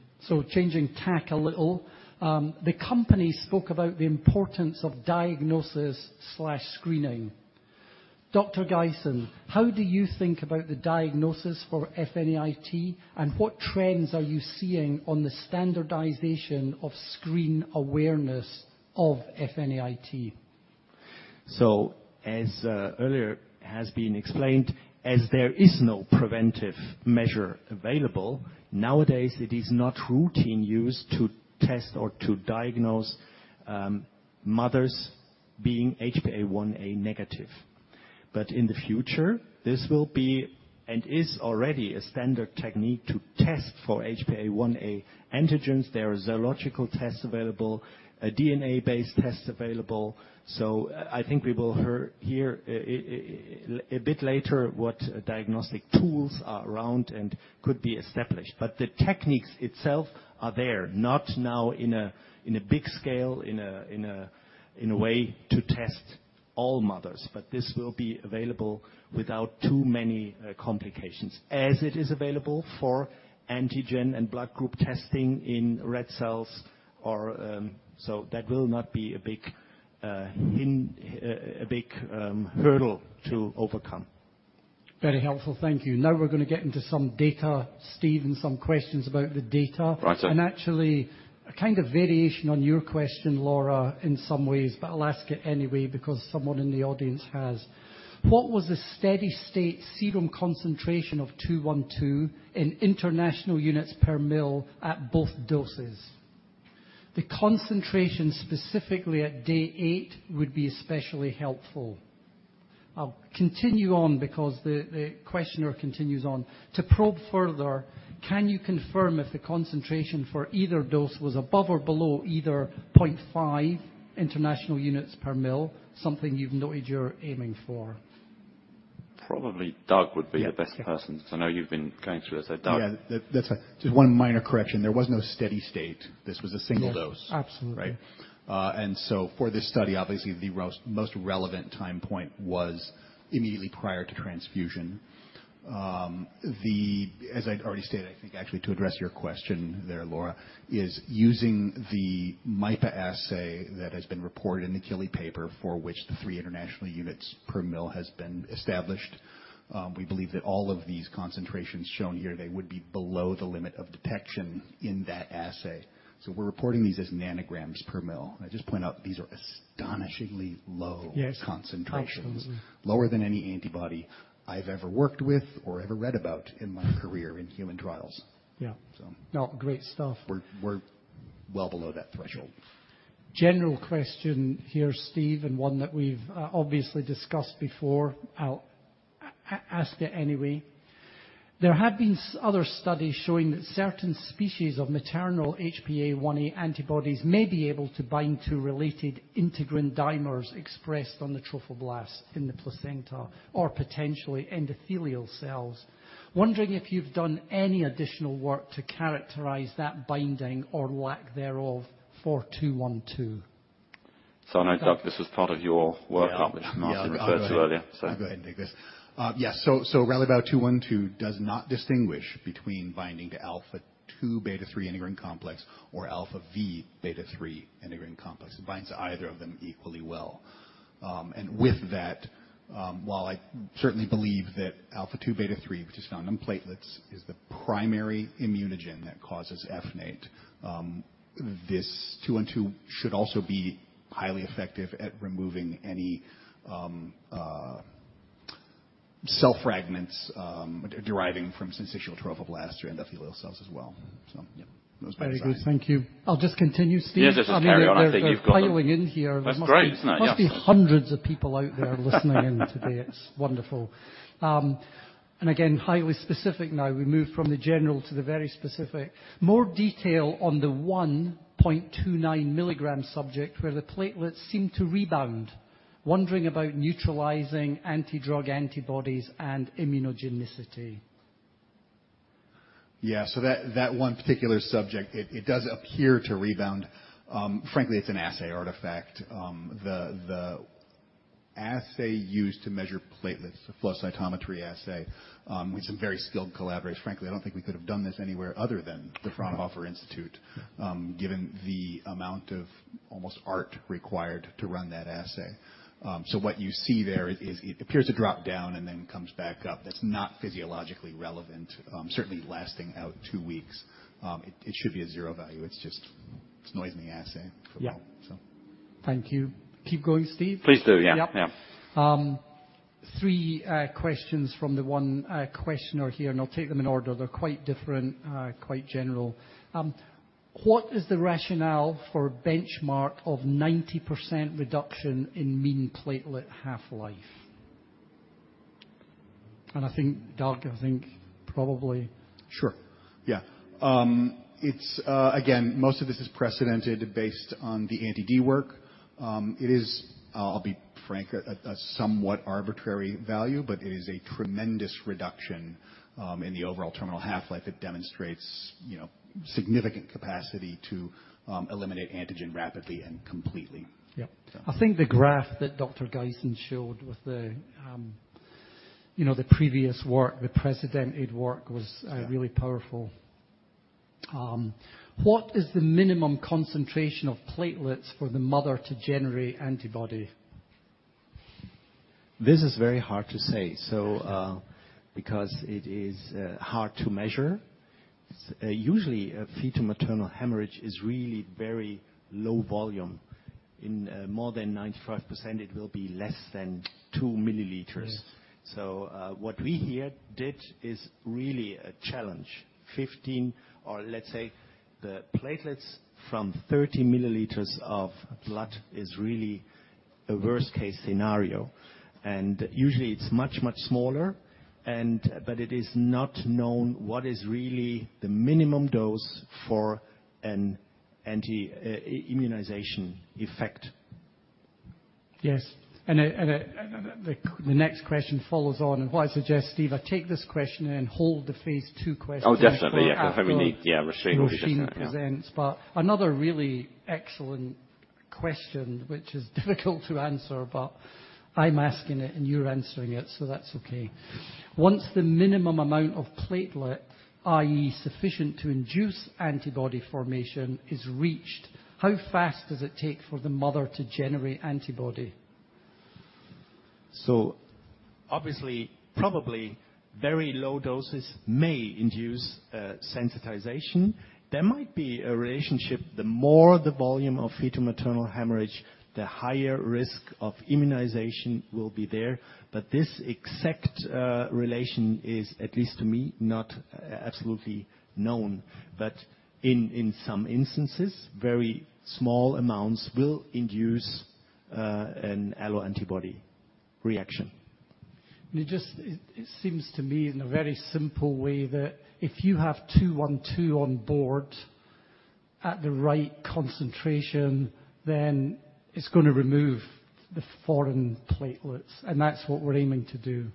Changing tack a little, the company spoke about the importance of diagnosis/screening. Dr. Geisen, how do you think about the diagnosis for FNAIT, and what trends are you seeing on the standardization of screen awareness of FNAIT? As earlier has been explained, as there is no preventive measure available, nowadays, it is not routine use to test or to diagnose mothers being HPA-1a negative. In the future, this will be, and is already, a standard technique to test for HPA-1a antigens. There are serological tests available, a DNA-based test available, so I think we will hear a bit later what diagnostic tools are around and could be established. The techniques itself are there, not now in a big scale, in a way to test all mothers, but this will be available without too many complications, as it is available for antigen and blood group testing in red cells or. That will not be a big hurdle to overcome. Very helpful. Thank you. We're gonna get into some data, Steve, and some questions about the data. Right, sir. Actually, a kind of variation on your question, Laura, in some ways, but I'll ask it anyway because someone in the audience has. What was the steady-state serum concentration of two, one, two in international units per ml at both doses? The concentration, specifically at day eight, would be especially helpful. I'll continue on because the questioner continues on. To probe further, can you confirm if the concentration for either dose was above or below either 0.5 international units per ml, something you've noted you're aiming for? Probably Doug would be- Yeah -the best person, 'cause I know you've been going through this. Doug? Yeah. Just one minor correction. There was no steady state. This was a single dose. Yes, absolutely. Right? For this study, obviously, the most relevant time point was immediately prior to transfusion. As I'd already stated, I think, actually, to address your question there, Laura, is using the MAIPA assay that has been reported in the Kelly paper, for which the three international units per mil has been established, we believe that all of these concentrations shown here, they would be below the limit of detection in that assay. We're reporting these as nanograms per mil. I just point out, these are astonishingly low... Yes concentrations. Absolutely. Lower than any antibody I've ever worked with or ever read about in my career in human trials. Yeah. So. No, great stuff. We're well below that threshold. General question here, Steve, one that we've obviously discussed before. I'll ask it anyway. There have been other studies showing that certain species of maternal HPA-1a antibodies may be able to bind to related integrin dimers expressed on the trophoblasts in the placenta or potentially endothelial cells. Wondering if you've done any additional work to characterize that binding or lack thereof for 212. I know, Doug, this is part of your work- Yeah Which Martin referred to earlier. I'll go ahead and take this. Yes. RLYB 212 does not distinguish between binding to alphaIIb beta3 integrin complex or alphaV beta3 integrin complex. It binds to either of them equally well. With that, while I certainly believe that alphaIIb beta3, which is found in platelets, is the primary immunogen that causes FNAIT, this 212 should also be highly effective at removing any cell fragments deriving from syncytiotrophoblasts or endothelial cells as well. Yeah, those bind well. Very good. Thank you. I'll just continue, Steve? Yes, just carry on. I think you've. They're piling in here. That's great, isn't it? Yes. Must be hundreds of people out there listening in today. It's wonderful. Again, highly specific now. We move from the general to the very specific. More detail on the 1.29 milligram subject, where the platelets seem to rebound. Wondering about neutralizing anti-drug antibodies and immunogenicity. Yeah, that one particular subject, it does appear to rebound. Frankly, it's an assay artifact. The assay used to measure platelets, the flow cytometry assay, with some very skilled collaborators. Frankly, I don't think we could have done this anywhere other than the Fraunhofer Institute, given the amount of almost art required to run that assay. What you see there is it appears to drop down and then comes back up. That's not physiologically relevant, certainly lasting out two weeks. It should be a zero value. It's just noise in the assay. Yeah. So. Thank you. Keep going, Steve? Please do, yeah. Yep. Yeah. Three questions from the one questioner here, and I'll take them in order. They're quite different, quite general. What is the rationale for benchmark of 90% reduction in mean platelet half-life? I think, Doug, I think probably- Sure. Yeah. Again, most of this is precedented based on the anti-D work. It is, I'll be frank, a somewhat arbitrary value, but it is a tremendous reduction in the overall terminal half-life. It demonstrates, you know, significant capacity to eliminate antigen rapidly and completely. Yep. So. I think the graph that Dr. Geisen showed with the, you know, the previous work, the precedented work. Yeah... really powerful. What is the minimum concentration of platelets for the mother to generate antibody? This is very hard to say, because it is hard to measure. Usually, a fetal-maternal hemorrhage is really very low volume. In more than 95%, it will be less than 2 ml. Yeah. What we here did is really a challenge. 15 ml or let's say, the platelets from 30 ml of blood is really a worst case scenario, and usually, it's much, much smaller. It is not known what is really the minimum dose for an alloimmunization effect. Yes. The next question follows on. What I suggest, Steve, I take this question and hold the phase II question. Oh, definitely. After Yeah, I think we need, yeah, restraint. We just, yeah Róisín presents. Another really excellent question, which is difficult to answer, but I'm asking it and you're answering it, so that's okay. Once the minimum amount of platelet, i.e., sufficient to induce antibody formation, is reached, how fast does it take for the mother to generate antibody? Obviously, probably very low doses may induce sensitization. There might be a relationship, the more the volume of fetal-maternal hemorrhage, the higher risk of immunization will be there. This exact relation is, at least to me, not absolutely known. In some instances, very small amounts will induce an alloantibody reaction. It seems to me, in a very simple way, that if you have 212 on board at the right concentration, then it's gonna remove the foreign platelets, and that's what we're aiming to do.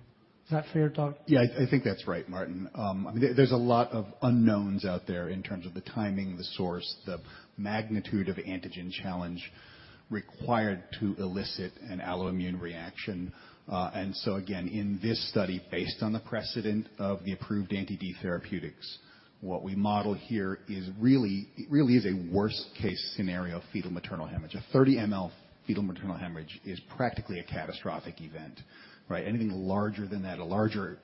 Is that fair, Doug? I think that's right, Martin. I mean, there's a lot of unknowns out there in terms of the timing, the source, the magnitude of antigen challenge required to elicit an alloimmune reaction. Again, in this study, based on the precedent of the approved anti-D therapeutics, what we model here really is a worst case scenario of fetal-maternal hemorrhage. A 30 ml fetal-maternal hemorrhage is practically a catastrophic event, right? Anything larger than that, a larger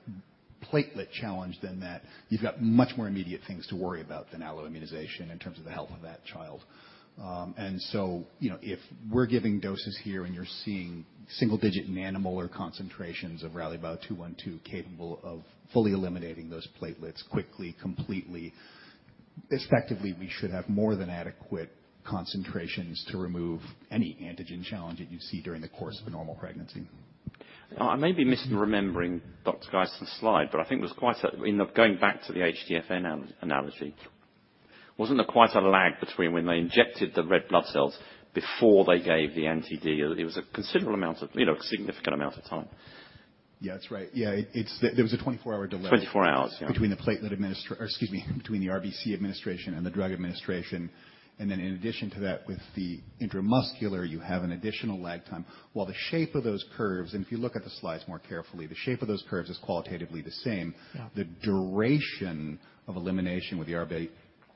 platelet challenge than that, you've got much more immediate things to worry about than alloimmunization in terms of the health of that child. You know, if we're giving doses here, and you're seeing single digit nanomolar concentrations of RLYB212, capable of fully eliminating those platelets quickly, completely, effectively, we should have more than adequate concentrations to remove any antigen challenge that you'd see during the course of a normal pregnancy. I may be misremembering Dr. Geisen's slide, but I think there was quite a. Going back to the HDFN analogy, wasn't there quite a lag between when they injected the red blood cells before they gave the anti-D? It was a considerable amount of, you know, significant amount of time. Yeah, that's right. Yeah, it's. There was a 24-hour delay. 24 hours, yeah. Excuse me, between the RBC administration and the drug administration. In addition to that, with the intramuscular, you have an additional lag time, while the shape of those curves, and if you look at the slides more carefully, the shape of those curves is qualitatively the same. Yeah. The duration of elimination with the RBA,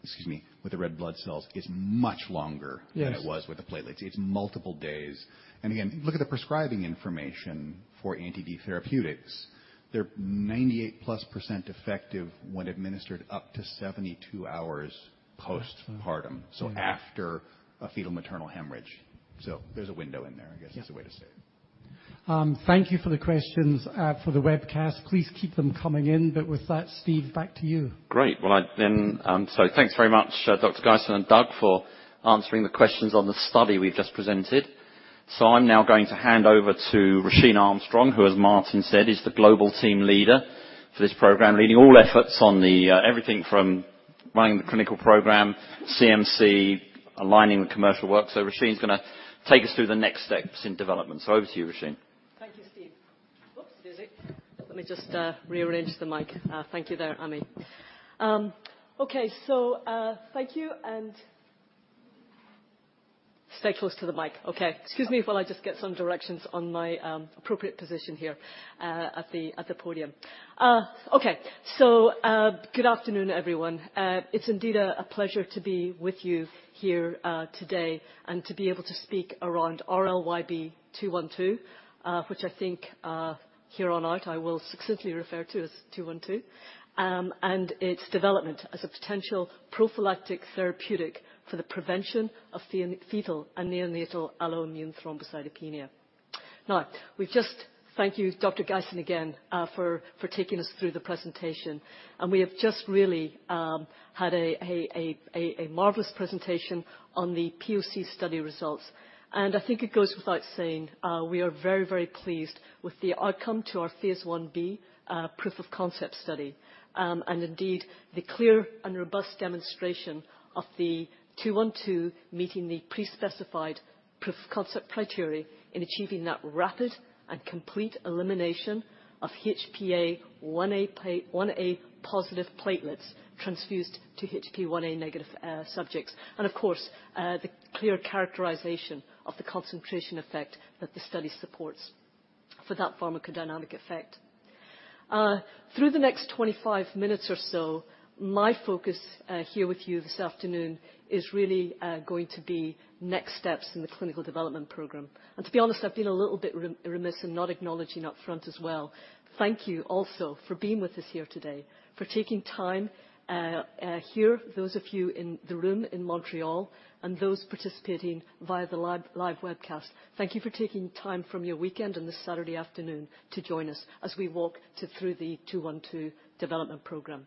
excuse me, with the red blood cells, is much longer... Yes than it was with the platelets. It's multiple days. again, look at the prescribing information for anti-D therapeutics. They're 98+% effective when administered up to 72 hours postpartum. Mm-hmm After a fetal-maternal hemorrhage. There's a window in there, I guess. Yeah is the way to say it. Thank you for the questions for the webcast. Please keep them coming in. With that, Steve, back to you. Great! Well, I then, thanks very much, Dr. Geisen and Doug, for answering the questions on the study we've just presented. I'm now going to hand over to Róisín Armstrong, who, as Martin said, is the global team leader for this program, leading all efforts on the... Everything from running the clinical program, CMC, aligning the commercial work. Róisín's gonna take us through the next steps in development. Over to you, Róisín.... Oops, is it? Let me just rearrange the mic. Thank you there, Ami. Okay. Thank you, and stay close to the mic. Okay. Excuse me, while I just get some directions on my appropriate position here at the podium. Okay. Good afternoon, everyone. It's indeed a pleasure to be with you here today, and to be able to speak around RLYB212, which I think here on out, I will succinctly refer to as 212. Its development as a potential prophylactic therapeutic for the prevention of Fetal and Neonatal Alloimmune Thrombocytopenia. Now, thank you, Dr. Geisen, again, for taking us through the presentation. We have just really had a marvelous presentation on the POC study results, and I think it goes without saying, we are very, very pleased with the outcome to our phase I-B proof of concept study. The clear and robust demonstration of the 212 meeting the pre-specified proof of concept criteria in achieving that rapid and complete elimination of HPA-1a positive platelets transfused to HPA-1a negative subjects. The clear characterization of the concentration effect that the study supports for that pharmacodynamic effect. Through the next 25 minutes or so, my focus here with you this afternoon is really going to be next steps in the clinical development program. To be honest, I've been a little bit remiss in not acknowledging upfront as well. Thank you also for being with us here today, for taking time here, those of you in the room in Montreal and those participating via the live webcast. Thank you for taking time from your weekend and this Saturday afternoon to join us as we walk through the 212 development program.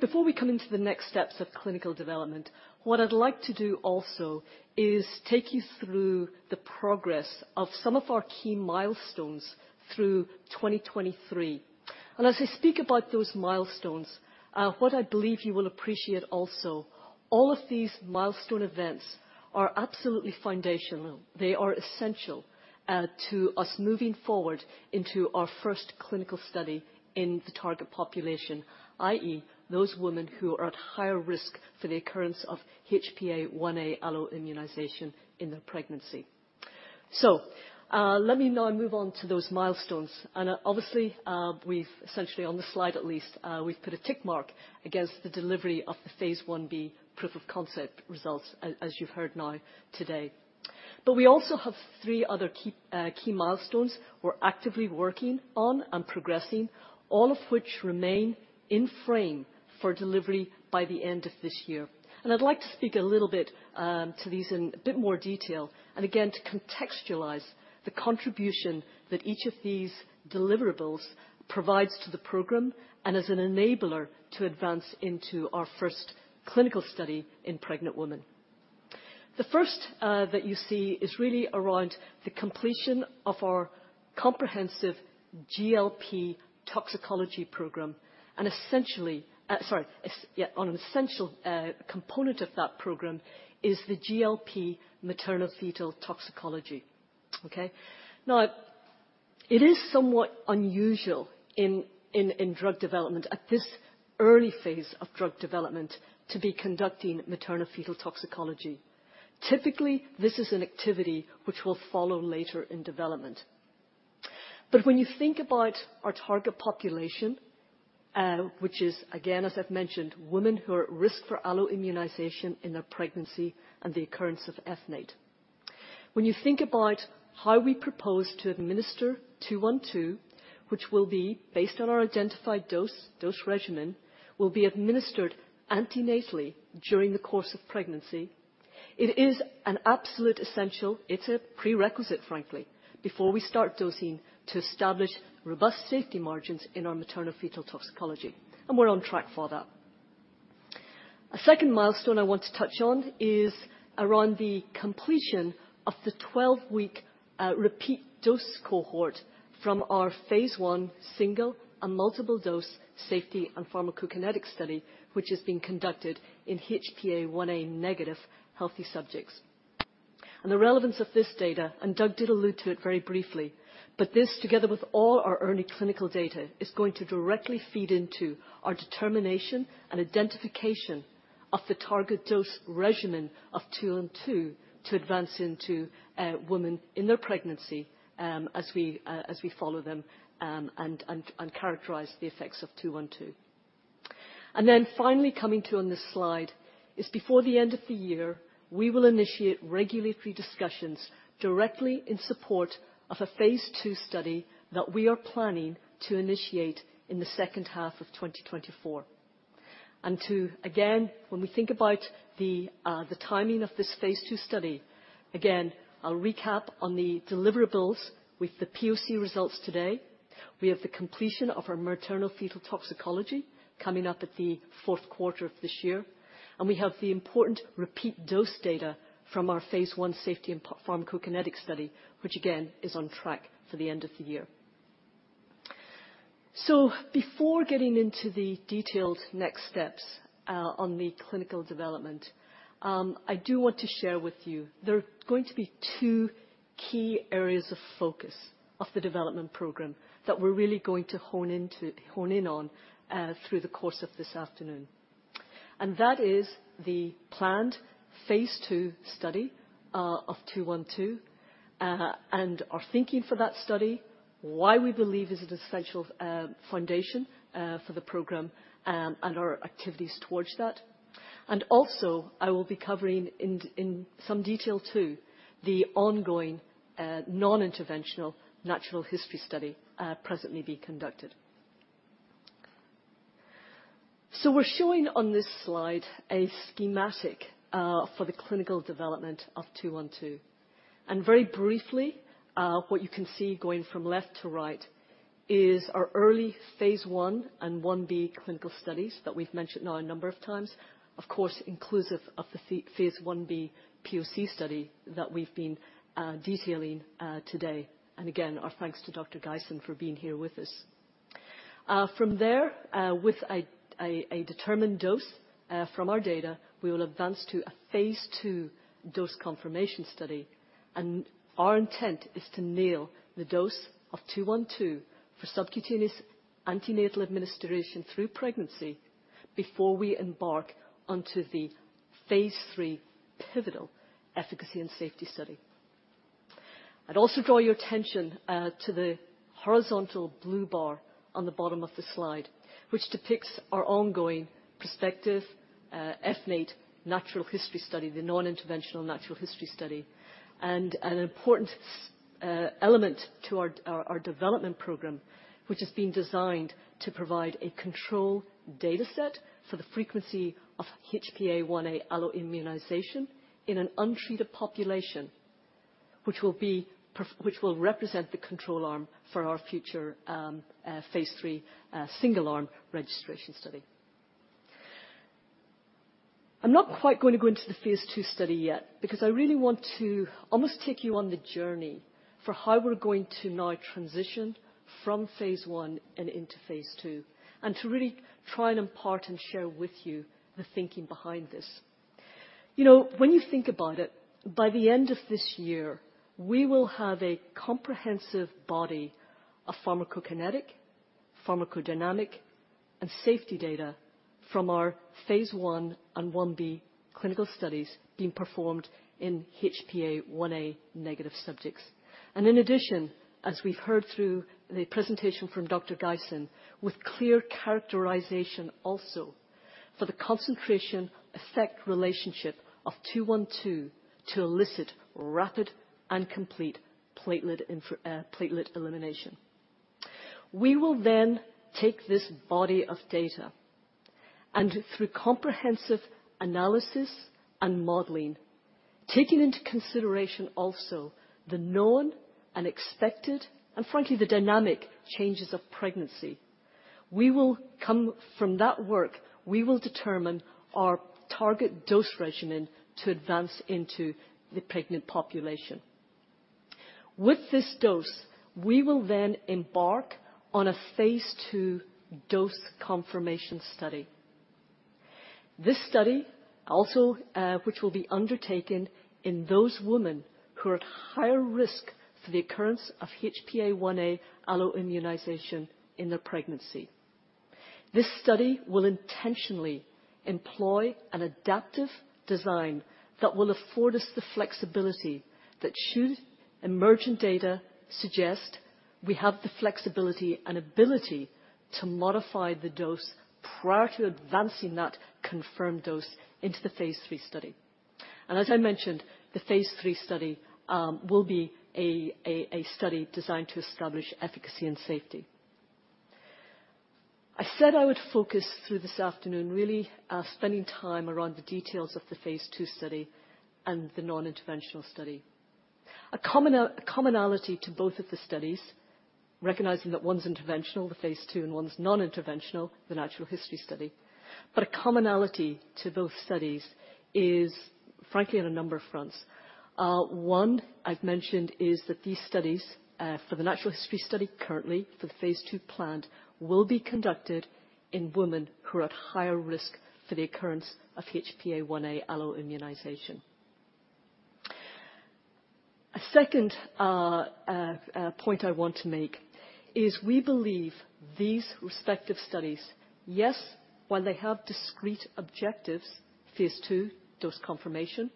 Before we come into the next steps of clinical development, what I'd like to do also is take you through the progress of some of our key milestones through 2023. As I speak about those milestones, what I believe you will appreciate also, all of these milestone events are absolutely foundational. They are essential to us moving forward into our first clinical study in the target population, i.e., those women who are at higher risk for the occurrence of HPA-1a alloimmunization in their pregnancy. Let me now move on to those milestones. Obviously, we've essentially, on this slide, at least, we've put a tick mark against the delivery of the phase I-B proof of concept results, as you've heard now today. We also have three other key milestones we're actively working on and progressing, all of which remain in frame for delivery by the end of this year. I'd like to speak a little bit to these in a bit more detail, and again, to contextualize the contribution that each of these deliverables provides to the program and as an enabler to advance into our first clinical study in pregnant women. The first that you see is really around the completion of our comprehensive GLP toxicology program, and essentially, on an essential component of that program is the GLP maternal fetal toxicology. Okay? Now, it is somewhat unusual in drug development, at this early phase of drug development, to be conducting maternal fetal toxicology. Typically, this is an activity which will follow later in development. When you think about our target population, which is, again, as I've mentioned, women who are at risk for alloimmunization in their pregnancy and the occurrence of FNAIT. When you think about how we propose to administer 212, which will be based on our identified dose regimen, will be administered antenatally during the course of pregnancy. It is an absolute essential, it's a prerequisite, frankly, before we start dosing to establish robust safety margins in our maternal fetal toxicology, and we're on track for that. A second milestone I want to touch on is around the completion of the 12-week repeat dose cohort from our phase I, single and multiple dose safety and pharmacokinetic study, which is being conducted in HPA-1a negative healthy subjects. The relevance of this data, Doug did allude to it very briefly, but this, together with all our early clinical data, is going to directly feed into our determination and identification of the target dose regimen of 212 to advance into women in their pregnancy, as we follow them, and characterize the effects of 212. Finally coming to on this slide is before the end of the year, we will initiate regulatory discussions directly in support of a phase II study that we are planning to initiate in the second half of 2024. Again, when we think about the timing of this phase II study, again, I'll recap on the deliverables with the POC results today. We have the completion of our maternal fetal toxicology coming up at the fourth quarter of this year. We have the important repeat dose data from our phase I safety and pharmacokinetic study, which again, is on track for the end of the year. Before getting into the detailed next steps on the clinical development, I do want to share with you, there are going to be two key areas of focus of the development program that we're really going to hone in on through the course of this afternoon. That is the planned phase II study of 212, and our thinking for that study, why we believe is it essential foundation for the program, and our activities towards that. Also, I will be covering in some detail, too, the ongoing non-interventional natural history study presently being conducted. We're showing on this slide a schematic for the clinical development of RLYB212. Very briefly, what you can see going from left to right is our early phase I and 1b clinical studies that we've mentioned now a number of times. Of course, inclusive of the phase Ib POC study that we've been detailing today. Again, our thanks to Dr. Geisen for being here with us. From there, with a determined dose, from our data, we will advance to a phase II dose confirmation study, and our intent is to nail the dose of 212 for subcutaneous antenatal administration through pregnancy before we embark onto the phase III pivotal efficacy and safety study. I'd also draw your attention to the horizontal blue bar on the bottom of the slide, which depicts our ongoing prospective FNAIT Natural History Study, the non-interventional natural history study. An important element to our development program, which has been designed to provide a control dataset for the frequency of HPA-1a alloimmunization in an untreated population, which will represent the control arm for our future phase III single-arm registration study. I'm not quite going to go into the phase II study yet, because I really want to almost take you on the journey for how we're going to now transition from phase I and into phase II, and to really try and impart and share with you the thinking behind this. You know, when you think about it, by the end of this year, we will have a comprehensive body of pharmacokinetic, pharmacodynamic, and safety data from our phase I and I-B clinical studies being performed in HPA-1a negative subjects. In addition, as we've heard through the presentation from Dr. Geisen, with clear characterization also for the concentration-effect relationship of 212, to elicit rapid and complete platelet elimination. We will then take this body of data, and through comprehensive analysis and modeling, taking into consideration also the known and expected, and frankly, the dynamic changes of pregnancy, we will come from that work, we will determine our target dose regimen to advance into the pregnant population. With this dose, we will then embark on a phase II dose confirmation study. This study, also, which will be undertaken in those women who are at higher risk for the occurrence of HPA-1a alloimmunization in their pregnancy. This study will intentionally employ an adaptive design that will afford us the flexibility that, should emergent data suggest, we have the flexibility and ability to modify the dose prior to advancing that confirmed dose into the phase III study. As I mentioned, the phase III study will be a study designed to establish efficacy and safety. I said I would focus through this afternoon, really, spending time around the details of the phase II study and the non-interventional study. A commonality to both of the studies, recognizing that one's interventional, the phase II, and one's non-interventional, the natural history study. A commonality to both studies is, frankly, on a number of fronts. One, I've mentioned, is that these studies, for the natural history study currently, for the phase II planned, will be conducted in women who are at higher risk for the occurrence of HPA-1a alloimmunization. A second point I want to make is we believe these respective studies, yes, while they have discrete objectives, phase II, dose confirmation,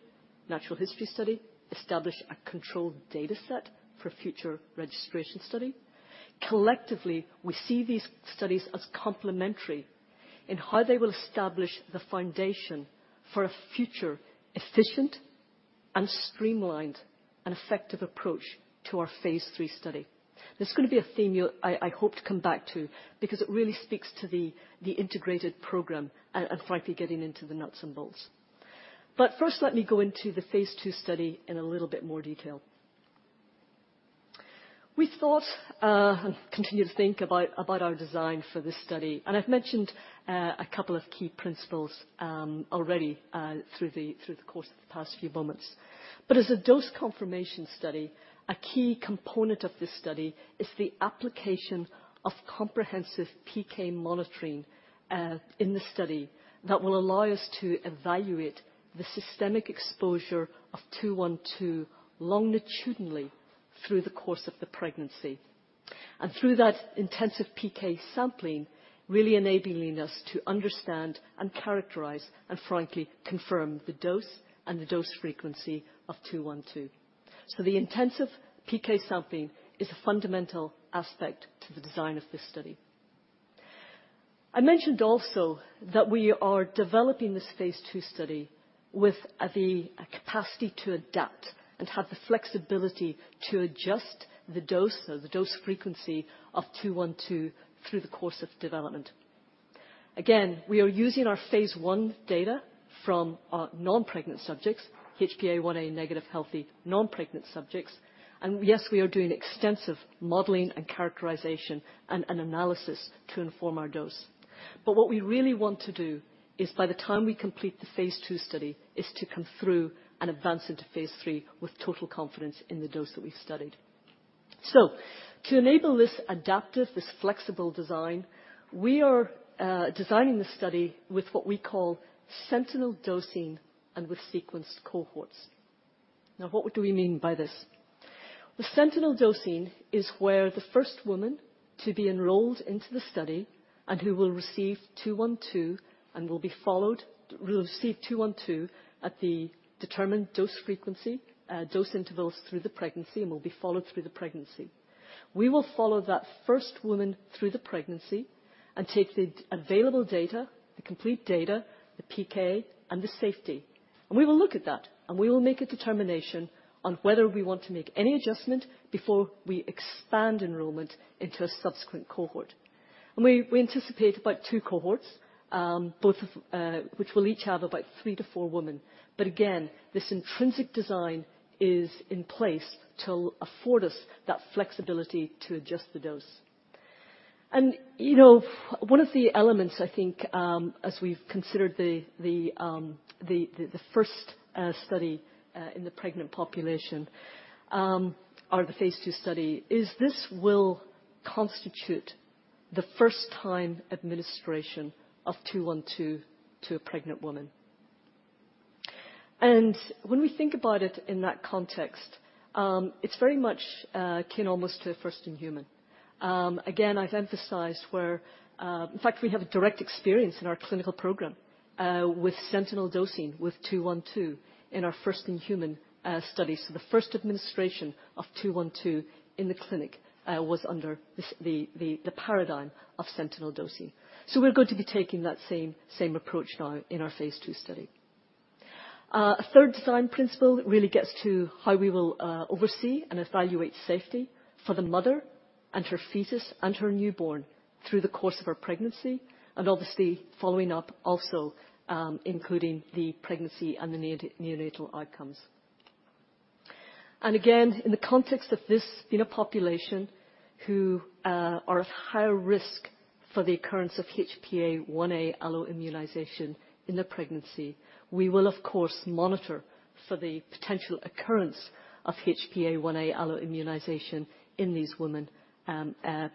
natural history study, establish a controlled dataset for future registration study. Collectively, we see these studies as complementary in how they will establish the foundation for a future efficient and streamlined and effective approach to our phase III study. This is gonna be a theme I hope to come back to because it really speaks to the integrated program, and, frankly, getting into the nuts and bolts. First, let me go into the phase II study in a little bit more detail. We thought and continue to think about our design for this study, and I've mentioned a couple of key principles already through the course of the past few moments. As a dose confirmation study. A key component of this study is the application of comprehensive PK monitoring in the study, that will allow us to evaluate the systemic exposure of RLYB212 longitudinally through the course of the pregnancy. Through that intensive PK sampling, really enabling us to understand and characterize, and frankly, confirm the dose and the dose frequency of RLYB212. The intensive PK sampling is a fundamental aspect to the design of this study. I mentioned also that we are developing this phase II study with the capacity to adapt and have the flexibility to adjust the dose, or the dose frequency, of RLYB212 through the course of development. We are using our phase I data from non-pregnant subjects, HPA-1a-negative, healthy, non-pregnant subjects. Yes, we are doing extensive modeling and characterization and an analysis to inform our dose. What we really want to do is, by the time we complete the phase II study, is to come through and advance into phase III with total confidence in the dose that we've studied. To enable this adaptive, this flexible design, we are designing the study with what we call sentinel dosing and with sequenced cohorts. Now, what do we mean by this? The sentinel dosing is where the first woman to be enrolled into the study who will receive RLYB212 at the determined dose frequency, dose intervals through the pregnancy and will be followed through the pregnancy. We will follow that first woman through the pregnancy and take the available data, the complete data, the PK and the safety, and we will look at that, and we will make a determination on whether we want to make any adjustment before we expand enrollment into a subsequent cohort. We anticipate about two cohorts, both of which will each have about three to four women. Again, this intrinsic design is in place to afford us that flexibility to adjust the dose. You know, one of the elements, I think, as we've considered the first study in the pregnant population or the phase II study, is this will constitute the first time administration of 212 to a pregnant woman. When we think about it in that context, it's very much akin almost to first-in-human. Again, I'd emphasize where in fact, we have direct experience in our clinical program with sentinel dosing, with RLYB212 in our first-in-human studies. The first administration of RLYB212 in the clinic was under this, the paradigm of sentinel dosing. We're going to be taking that same approach now in our phase II study. A third design principle really gets to how we will oversee and evaluate safety for the mother and her fetus and her newborn through the course of her pregnancy, and obviously, following up also, including the pregnancy and the neonatal outcomes. Again, in the context of this, in a population who are at higher risk for the occurrence of HPA-1a alloimmunization in their pregnancy, we will, of course, monitor for the potential occurrence of HPA-1a alloimmunization in these women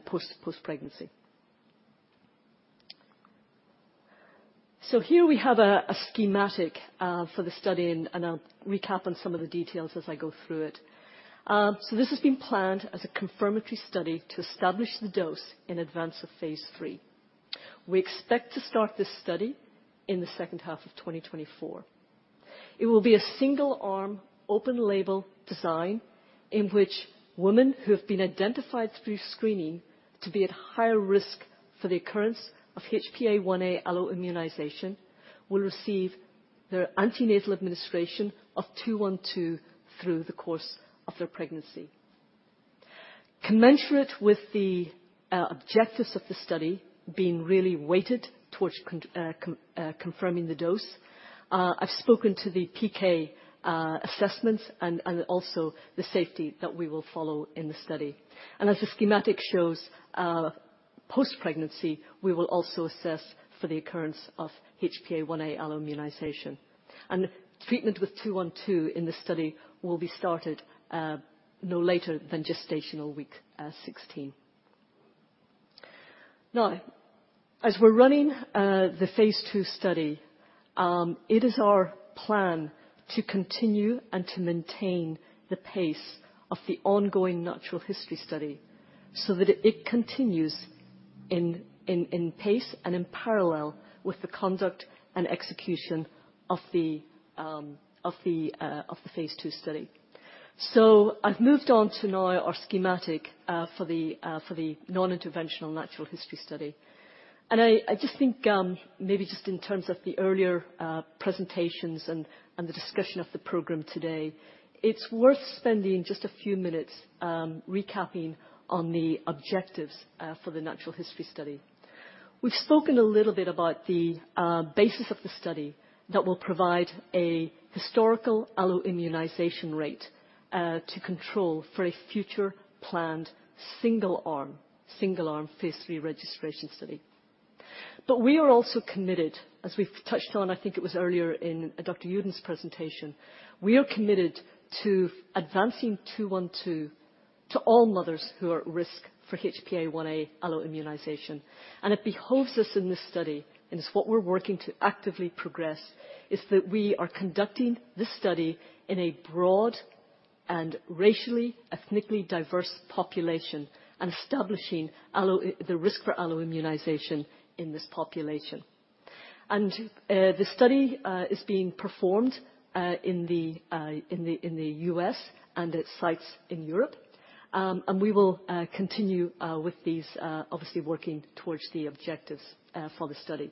post-pregnancy. Here we have a schematic for the study, and I'll recap on some of the details as I go through it. This has been planned as a confirmatory study to establish the dose in adva.n.ce of phase III. We expect to start this study in the second half of 2024. It will be a single-arm, open label design, in which women who have been identified through screening to be at higher risk for the occurrence of HPA-1a alloimmunization will receive their antenatal administration of 212 through the course of their pregnancy. Commensurate with the objectives of the study being really weighted towards confirming the dose, I've spoken to the PK assessments and also the safety that we will follow in the study. As the schematic shows, post-pregnancy, we will also assess for the occurrence of HPA-1a alloimmunization. Treatment with 212 in the study will be started no later than gestational week 16. As we're running the phase II study, it is our plan to continue and to maintain the pace of the ongoing natural history study so that it continues in pace and in parallel with the conduct and execution of the phase II study. I've moved on to now our schematic for the non-interventional natural history study. I just think, maybe just in terms of the earlier presentations and the discussion of the program today, it's worth spending just a few minutes recapping on the objectives for the natural history study. We've spoken a little bit about the basis of the study that will provide a historical alloimmunization rate to control for a future planned single-arm phase III registration study. We are also committed, as we've touched on, I think it was earlier in Dr. Uden's presentation. We are committed to advancing 212 to all mothers who are at risk for HPA-1a alloimmunization. It behoves us in this study, and it's what we're working to actively progress, is that we are conducting this study in a broad and racially, ethnically diverse population, and establishing the risk for alloimmunization in this population. The study is being performed in the U.S. and at sites in Europe. We will continue with these obviously working towards the objectives for the study.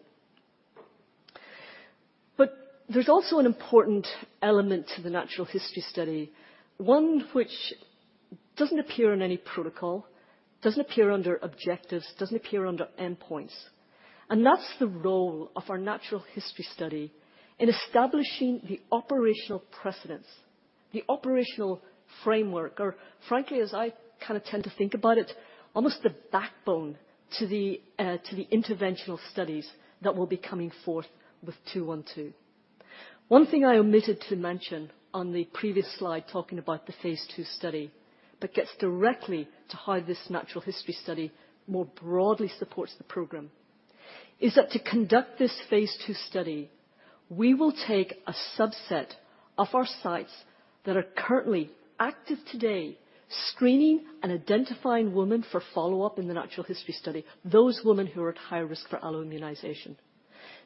There's also an important element to the natural history study, one which doesn't appear in any protocol, doesn't appear under objectives, doesn't appear under endpoints, and that's the role of our natural history study in establishing the operational precedents, the operational framework, or frankly, as I kinda tend to think about it, almost the backbone to the to the interventional studies that will be coming forth with two-one-two. One thing I omitted to mention on the previous slide, talking about the phase II study, Gets directly to how this natural history study more broadly supports the program, is that to conduct this phase II study, we will take a subset of our sites that are currently active today, screening and identifying women for follow-up in the natural history study, those women who are at high risk for alloimmunization.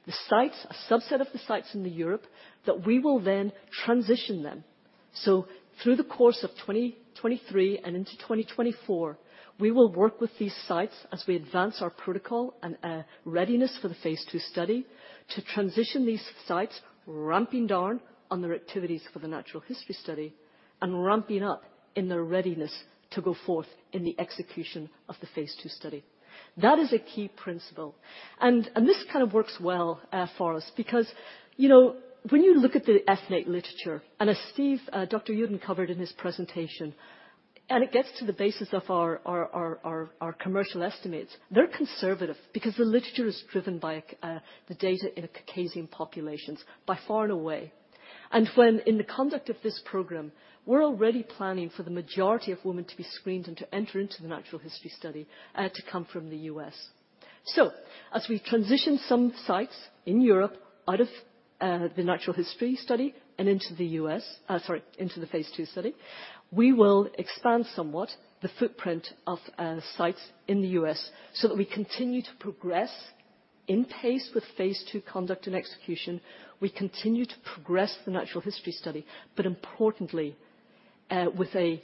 The sites, a subset of the sites in Europe, that we will then transition them. Through the course of 2023 and into 2024, we will work with these sites as we advance our protocol and readiness for the phase II study to transition these sites, ramping down on their activities for the natural history study and ramping up in their readiness to go forth in the execution of the phase II study. That is a key principle. This kind of works well for us because, you know, when you look at the ethnic literature, as Steve, Dr. Uden, covered in his presentation, it gets to the basis of our commercial estimates. They're conservative because the literature is driven by the data in Caucasian populations, by far and away. When in the conduct of this program, we're already planning for the majority of women to be screened and to enter into the natural history study to come from the U.S. As we transition some sites in Europe out of the natural history study and into the U.S., sorry, into the phase II study, we will expand somewhat the footprint of sites in the U.S. so that we continue to progress in pace with phase II conduct and execution. We continue to progress the natural history study, but importantly, with the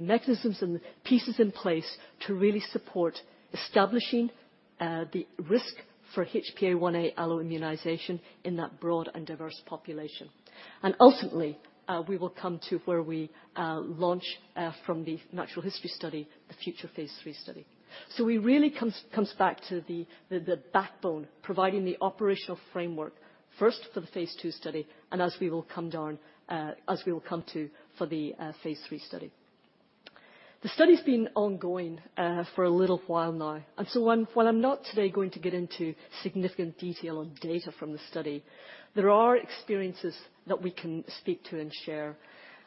mechanisms and pieces in place to really support establishing the risk for HPA-1a alloimmunization in that broad and diverse population. Ultimately, we will come to where we launch from the natural history study, the future phase III study. We really comes back to the backbone, providing the operational framework, first for the phase II study, as we will come to for the phase III study. The study's been ongoing for a little while now, while I'm not today going to get into significant detail on data from the study, there are experiences that we can speak to and share.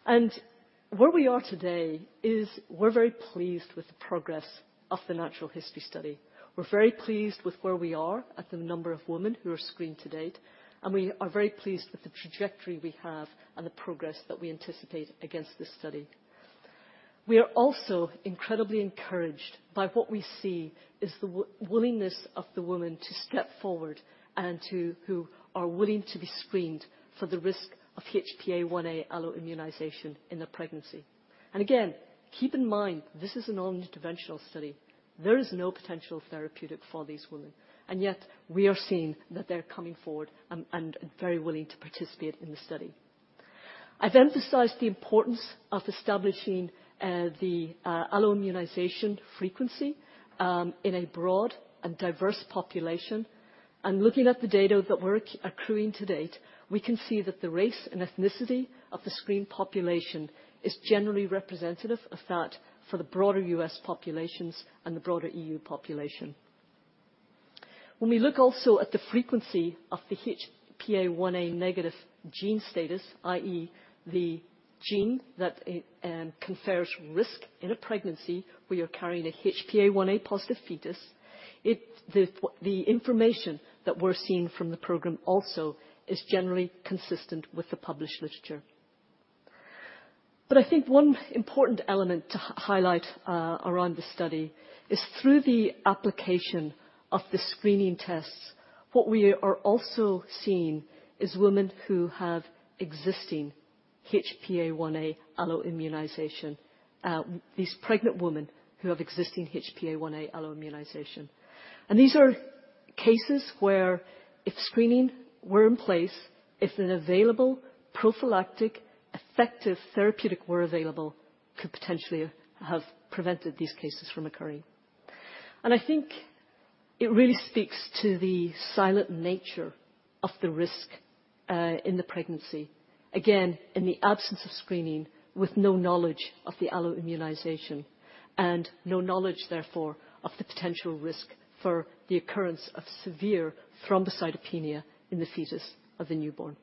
Where we are today is we're very pleased with the progress of the natural history study. We're very pleased with where we are at the number of women who are screened to date, and we are very pleased with the trajectory we have and the progress that we anticipate against this study. We are also incredibly encouraged by what we see is the willingness of the women to step forward and to who are willing to be screened for the risk of HPA-1a alloimmunization in their pregnancy. Again, keep in mind, this is a non-interventional study. There is no potential therapeutic for these women, and yet we are seeing that they're coming forward and very willing to participate in the study. I've emphasized the importance of establishing the alloimmunization frequency in a broad and diverse population. Looking at the data that we're accruing to date, we can see that the race and ethnicity of the screened population is generally representative of that for the broader U.S. populations and the broader EU population. When we look also at the frequency of the HPA-1a negative gene status, i.e., the gene that confers risk in a pregnancy where you're carrying a HPA-1a positive fetus, the information that we're seeing from the program also is generally consistent with the published literature. I think one important element to highlight around the study is through the application of the screening tests, what we are also seeing is women who have existing HPA-1a alloimmunization. These pregnant women who have existing HPA-1a alloimmunization. These are cases where if screening were in place, if an available prophylactic, effective therapeutic were available, could potentially have prevented these cases from occurring. I think it really speaks to the silent nature of the risk in the pregnancy. Again, in the absence of screening, with no knowledge of the alloimmunization and no knowledge, therefore, of the potential risk for the occurrence of severe thrombocytopenia in the fetus of the newborn.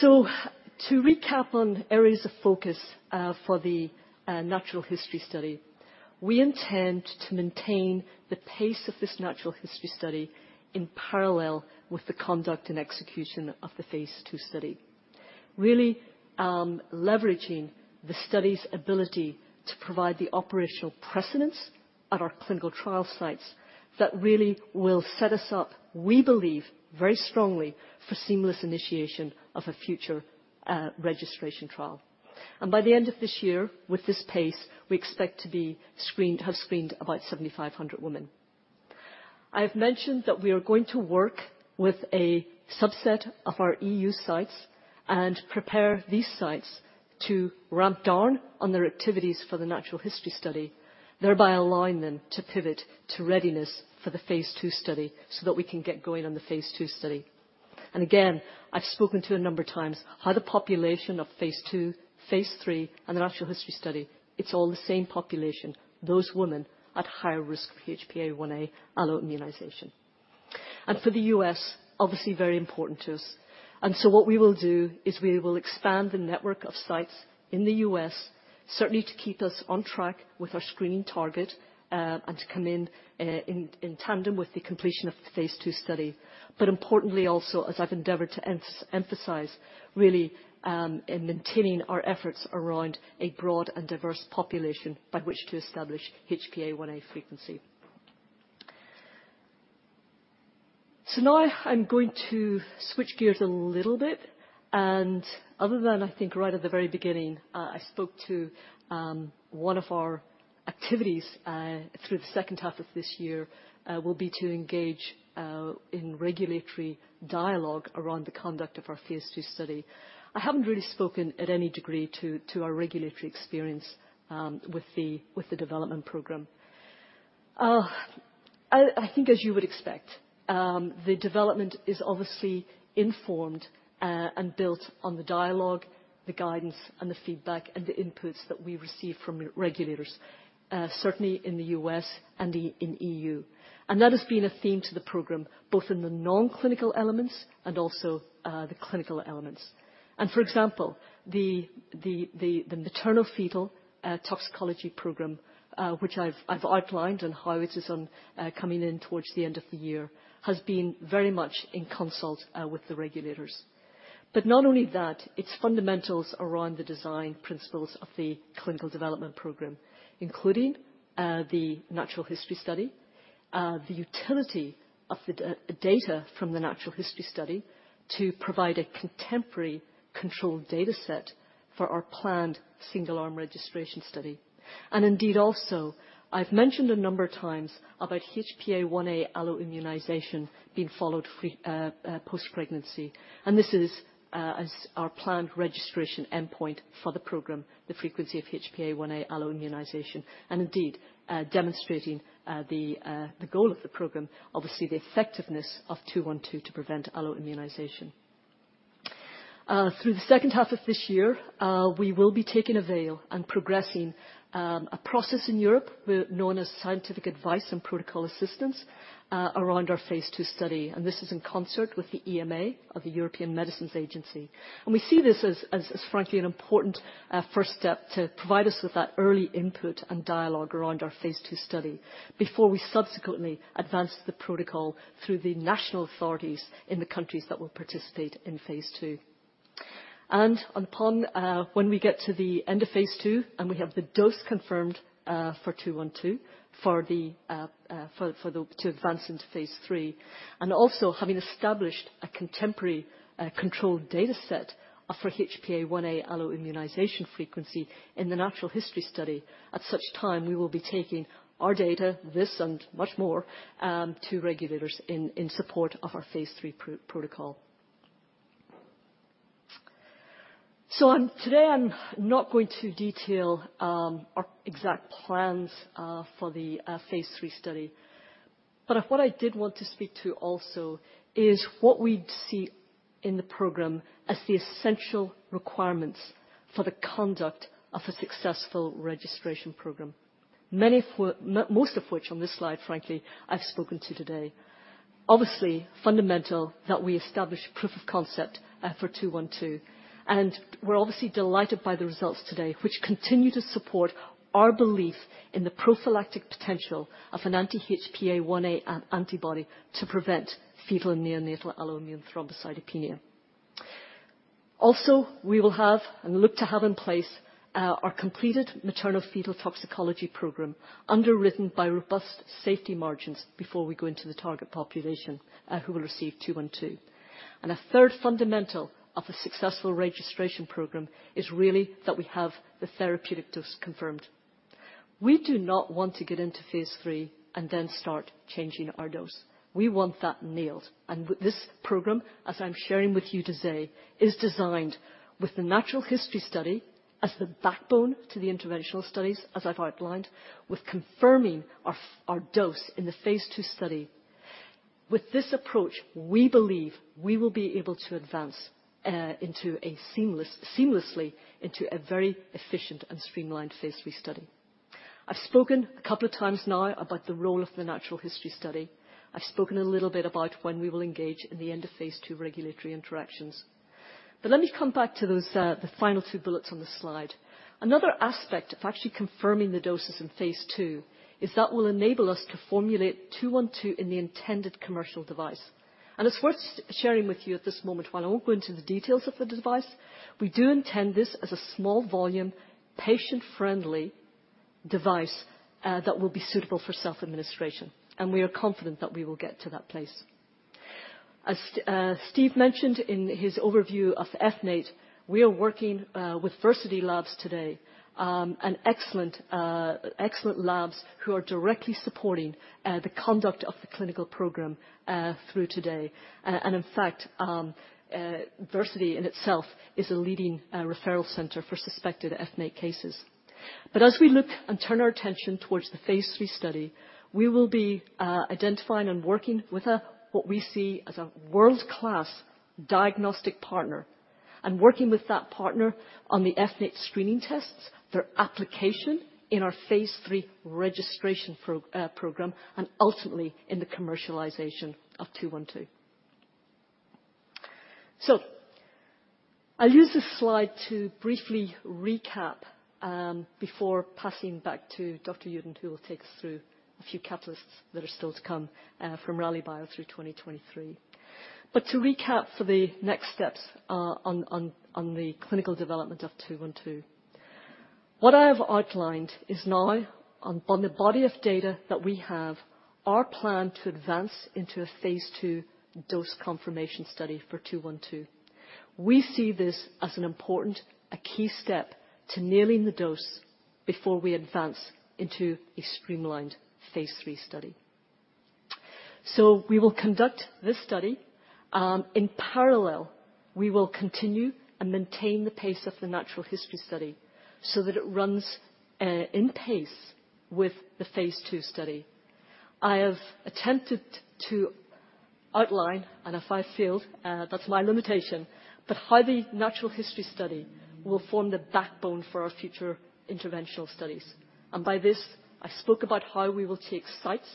To recap on areas of focus, for the natural history study, we intend to maintain the pace of this natural history study in parallel with the conduct and execution of the phase II study. Really, leveraging the study's ability to provide the operational precedence at our clinical trial sites, that really will set us up, we believe, very strongly for seamless initiation of a future registration trial. By the end of this year, with this pace, we expect to have screened about 7,500 women. I've mentioned that we are going to work with a subset of our EU sites and prepare these sites to ramp down on their activities for the natural history study, thereby allowing them to pivot to readiness for the phase II study, so that we can get going on the phase II study. Again, I've spoken to a number of times how the population of phase II, phase III, and the natural history study, it's all the same population, those women at higher risk of HPA-1a alloimmunization. For the U.S., obviously very important to us, and so what we will do, is we will expand the network of sites in the U.S., certainly to keep us on track with our screening target, and to come in tandem with the completion of the phase II study. Importantly, also, as I've endeavored to emphasize, really, in maintaining our efforts around a broad and diverse population by which to establish HPA-1a frequency. Now I'm going to switch gears a little bit, and other than I think right at the very beginning, I spoke to one of our activities through the second half of this year, will be to engage in regulatory dialogue around the conduct of our phase II study. I haven't really spoken at any degree to our regulatory experience with the development program. I think as you would expect, the development is obviously informed and built on the dialogue, the guidance, and the feedback, and the inputs that we receive from regulators, certainly in the U.S. and in EU. That has been a theme to the program, both in the non-clinical elements and also the clinical elements. For example, the maternal fetal toxicology program, which I've outlined and how it is coming in towards the end of the year, has been very much in consult with the regulators. Not only that, it's fundamentals around the design principles of the clinical development program, including the natural history study, the utility of the data from the natural history study to provide a contemporary control data set for our planned single arm registration study. Indeed, also, I've mentioned a number of times about HPA-1a alloimmunization being followed pre... post-pregnancy, this is as our planned registration endpoint for the program, the frequency of HPA-1a alloimmunization. Indeed, demonstrating the goal of the program, obviously, the effectiveness of 212 to prevent alloimmunization. Through the second half of this year, we will be taking avail and progressing a process in Europe, well, known as scientific advice and protocol assistance around our phase II study. This is in concert with the EMA or the European Medicines Agency. We see this as frankly an important first step to provide us with that early input and dialogue around our phase II study, before we subsequently advance the protocol through the national authorities in the countries that will participate in phase II. Upon when we get to the end of phase II, and we have the dose confirmed for 212, to advance into phase III, and also having established a contemporary controlled data set for HPA-1a alloimmunization frequency in the natural history study. At such time, we will be taking our data, this and much more, to regulators in support of our phase III protocol. Today, I'm not going to detail our exact plans for the phase III study. What I did want to speak to also is what we'd see in the program as the essential requirements for the conduct of a successful registration program. Most of which, on this slide, frankly, I've spoken to today. Obviously, fundamental that we establish proof of concept for RLYB212, we're obviously delighted by the results today, which continue to support our belief in the prophylactic potential of an anti-HPA-1a antibody to prevent fetal and neonatal alloimmune thrombocytopenia. Also, we will have and look to have in place our completed maternal fetal toxicology program, underwritten by robust safety margins before we go into the target population who will receive RLYB212. A third fundamental of a successful registration program is really that we have the therapeutic dose confirmed. We do not want to get into phase III and then start changing our dose. We want that nailed, with this program, as I'm sharing with you today, is designed with the natural history study as the backbone to the interventional studies, as I've outlined, with confirming our dose in the phase II study. With this approach, we believe we will be able to advance into a seamlessly into a very efficient and streamlined phase III study. I've spoken a couple of times now about the role of the natural history study. I've spoken a little bit about when we will engage in the end of phase II regulatory interactions. let me come back to those, the final two bullets on the slide. Another aspect of actually confirming the doses in phase II, is that will enable us to formulate 212, in the intended commercial device. it's worth sharing with you at this moment, while I won't go into the details of the device, we do intend this as a small volume, patient-friendly device, that will be suitable for self-administration, and we are confident that we will get to that place. As Steve mentioned in his overview of FNAIT, we are working with Versiti Labs today, an excellent labs who are directly supporting the conduct of the clinical program through today. In fact, Versiti, in itself, is a leading referral center for suspected FNAIT cases. As we look and turn our attention towards the phase III study, we will be identifying and working with what we see as a world-class diagnostic partner, and working with that partner on the FNAIT screening tests, their application in our phase III registration program, and ultimately, in the commercialization of 212. I'll use this slide to briefly recap before passing back to Dr. Uden, who will take us through a few catalysts that are still to come from Rallybio through 2023. To recap for the next steps on the clinical development of 212. What I have outlined is now on the body of data that we have, our plan to advance into a phase II dose confirmation study for 212. We see this as an important, a key step to nailing the dose before we advance into a streamlined phase III study. We will conduct this study. In parallel, we will continue and maintain the pace of the natural history study so that it runs in pace with the phase II study. I have attempted to outline, and if I failed, that's my limitation, but how the natural history study will form the backbone for our future interventional studies. By this, I spoke about how we will take sites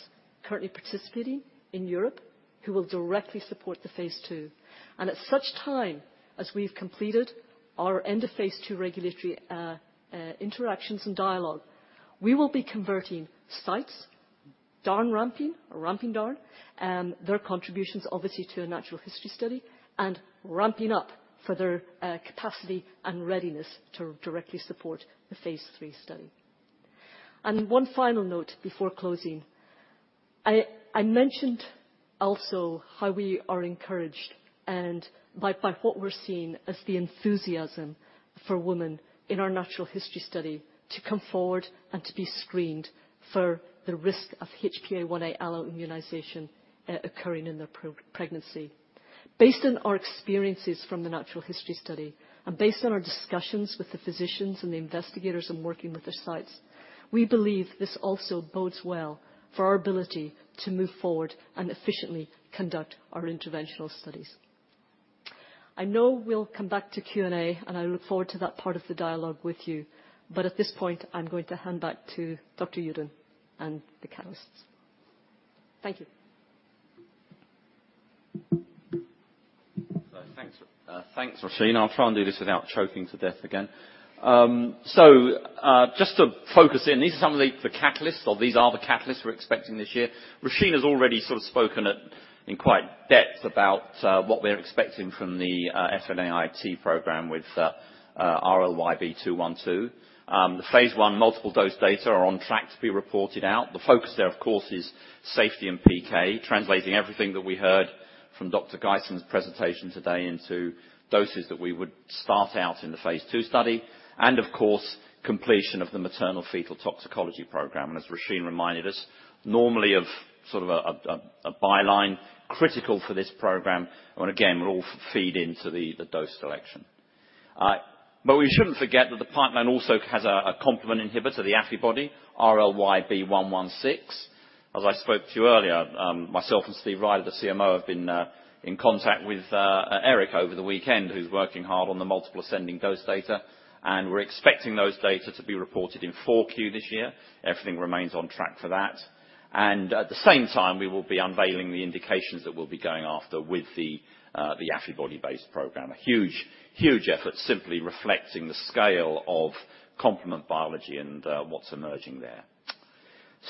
currently participating in Europe, who will directly support the phase II. At such time, as we've completed our end of phase II regulatory interactions and dialogue, we will be converting sites, down-ramping or ramping down, their contributions, obviously, to a natural history study, and ramping up for their capacity and readiness to directly support the phase III study. One final note before closing. I mentioned also how we are encouraged by what we're seeing as the enthusiasm for women in our natural history study to come forward and to be screened for the risk of HPA-1a alloimmunization occurring in their pregnancy. Based on our experiences from the natural history study, and based on our discussions with the physicians and the investigators and working with their sites, we believe this also bodes well for our ability to move forward and efficiently conduct our interventional studies. I know we'll come back to Q&A, and I look forward to that part of the dialogue with you. At this point, I'm going to hand back to Dr. Uden and the catalysts. Thank you. Thanks, thanks, Róisín. I'll try and do this without choking to death again. Just to focus in, these are some of the catalysts, or these are the catalysts we're expecting this year. Róisín has already sort of spoken at, in quite depth about what we're expecting from the FNAIT program with RLYB212. The phase I multiple dose data are on track to be reported out. The focus there, of course, is safety and PK, translating everything that we heard from Dr. Geisen's presentation today into doses that we would start out in the phase II study, and of course, completion of the maternal fetal toxicology program. As Róisín reminded us, normally of sort of a byline, critical for this program, and again, will all feed into the dose selection. We shouldn't forget that the partner also has a complement inhibitor, the Affibody, RLYB116. As I spoke to you earlier, myself and Steve Ryder, the CMO, have been in contact with Eric over the weekend, who's working hard on the multiple ascending dose data, and we're expecting those data to be reported in 4Q this year. Everything remains on track for that. At the same time, we will be unveiling the indications that we'll be going after with the Affibody-based program. A huge, huge effort, simply reflecting the scale of complement biology and what's emerging there.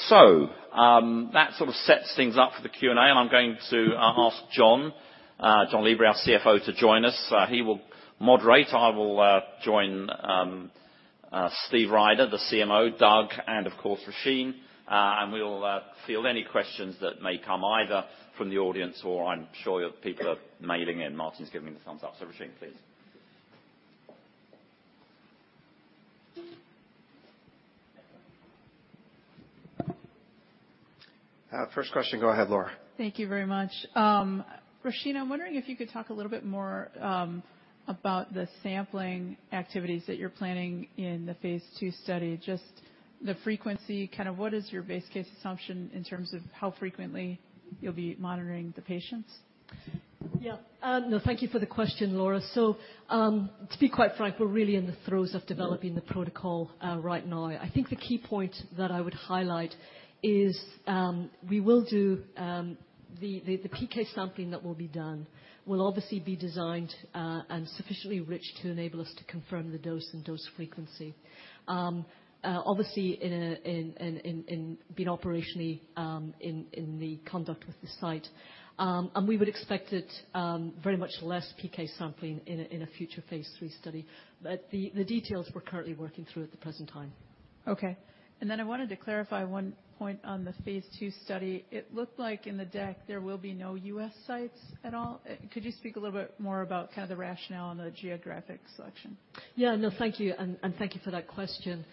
That sort of sets things up for the Q&A, and I'm going to ask Jon Lieber, our CFO, to join us. He will moderate. I will join Steve Ryder, the CMO, Doug, and of course, Róisín. We will field any questions that may come either from the audience or I'm sure people are mailing in. Martin's giving me the thumbs up. Róisín, please. First question, go ahead, Laura. Thank you very much. Róisín, I'm wondering if you could talk a little bit more about the sampling activities that you're planning in the phase II study, just the frequency, kind of what is your base case assumption in terms of how frequently you'll be monitoring the patients? Yeah. No, thank you for the question, Laura. To be quite frank, we're really in the throes of developing the protocol right now. I think the key point that I would highlight is, we will do the PK sampling that will be done, will obviously be designed and sufficiently rich to enable us to confirm the dose and dose frequency. Obviously, in being operationally, in the conduct with the site. We would expect it very much less PK sampling in a future phase III study. The details we're currently working through at the present time. Okay. Then I wanted to clarify one point on the phase II study. It looked like in the deck, there will be no U.S. sites at all. Could you speak a little bit more about kind of the rationale and the geographic selection? Yeah, no, thank you. Thank you for that question.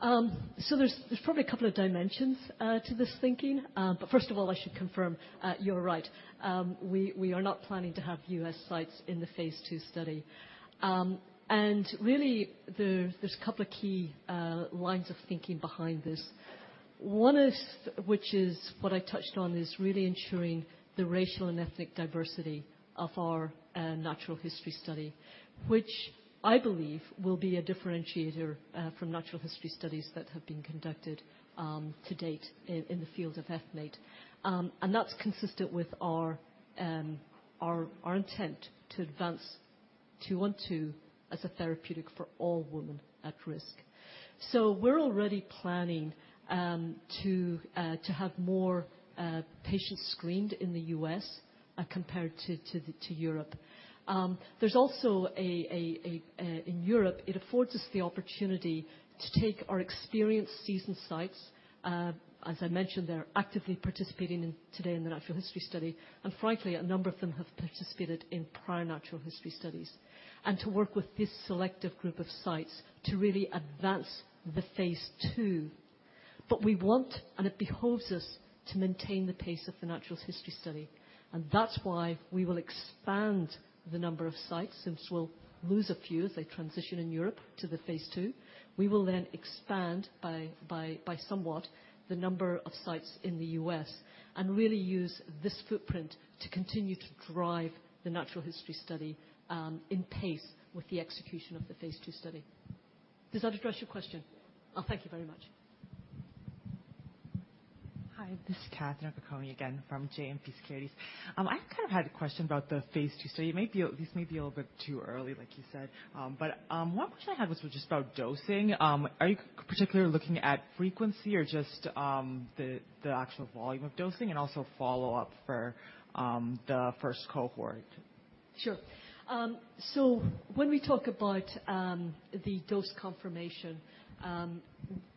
There's probably a couple of dimensions to this thinking. First of all, I should confirm, you're right. We are not planning to have U.S. sites in the phase II study. Really, there's a couple of key lines of thinking behind this. One is, which is what I touched on, is really ensuring the racial and ethnic diversity of our natural history study. Which I believe will be a differentiator from natural history studies that have been conducted to date in the field of FNAIT. That's consistent with our intent to advance to one, two as a therapeutic for all women at risk. We're already planning to have more patients screened in the US compared to Europe. There's also in Europe, it affords us the opportunity to take our experienced seasoned sites. As I mentioned, they're actively participating today in the natural history study, and frankly, a number of them have participated in prior natural history studies. To work with this selective group of sites to really advance the phase II. We want, and it beholds us to maintain the pace of the natural history study, and that's why we will expand the number of sites, since we'll lose a few as they transition in Europe to the phase II. We will then expand by somewhat, the number of sites in the U.S., and really use this footprint to continue to drive the natural history study, in pace with the execution of the phase II study. Does that address your question? Thank you very much. Hi, this is Catherine Novack again from JMP Securities. I kind of had a question about the phase II study. This may be a little bit too early, like you said. One question I had was just about dosing. Are you particularly looking at frequency or just the actual volume of dosing and also follow-up for the 1st cohort? Sure. When we talk about the dose confirmation,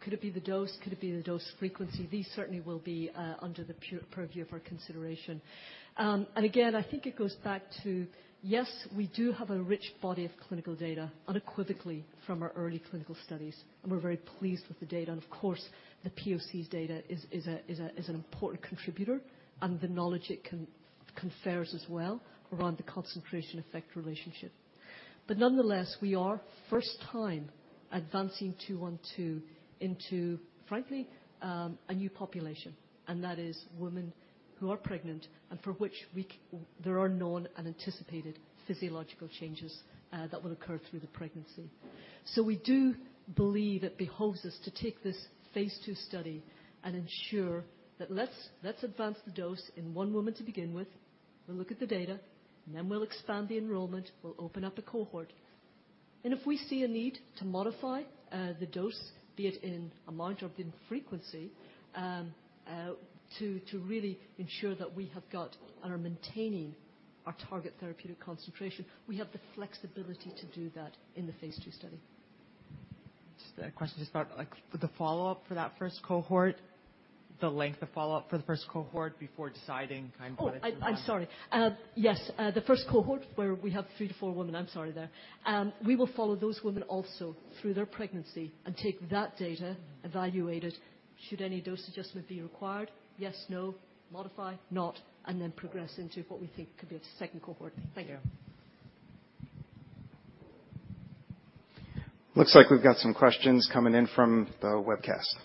could it be the dose, could it be the dose frequency? These certainly will be under the purview of our consideration. Again, I think it goes back to, yes, we do have a rich body of clinical data, unequivocally from our early clinical studies, and we're very pleased with the data. Of course, the POC data is a, is a, is an important contributor, and the knowledge it confers as well around the concentration-effect relationship. Nonetheless, we are first time advancing two on two into, frankly, a new population, and that is women who are pregnant and for which there are known and anticipated physiological changes that would occur through the pregnancy. We do believe it beholds us to take this phase II study and ensure that let's advance the dose in one woman to begin with, we'll look at the data, and then we'll expand the enrollment, we'll open up a cohort. If we see a need to modify the dose, be it in amount or in frequency, to really ensure that we have got and are maintaining our target therapeutic concentration, we have the flexibility to do that in the phase II study. Just a question, just about, like, for the follow-up for that first cohort, the length of follow-up for the first cohort before deciding kind of? Oh, I'm sorry. Yes, the first cohort where we have three to four women. I'm sorry there. We will follow those women also through their pregnancy and take that data, evaluate it. Should any dose adjustment be required, yes, no, modify, not, and then progress into what we think could be a second cohort. Thank you. Looks like we'got some questions coming in from the webcast.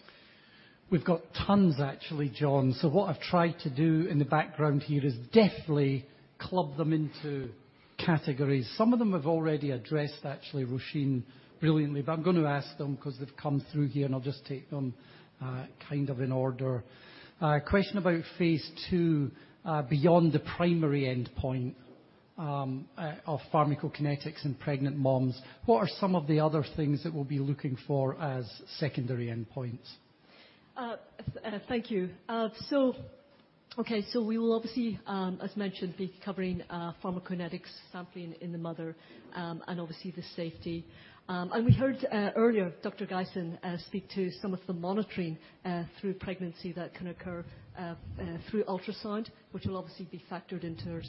We've got tons, actually, Jon. What I've tried to do in the background here is definitely club them into categories. Some of them have already addressed, actually, Róisín, brilliantly, but I'm going to ask them because they've come through here, and I'll just take them, kind of in order. Question about phase II, beyond the primary endpoint, of pharmacokinetics in pregnant moms, what are some of the other things that we'll be looking for as secondary endpoints? Thank you. We will obviously, as mentioned, be covering pharmacokinetics, sampling in the mother, and obviously the safety. We heard earlier, Dr. Geisen, speak to some of the monitoring through pregnancy that can occur through ultrasound, which will obviously be factored into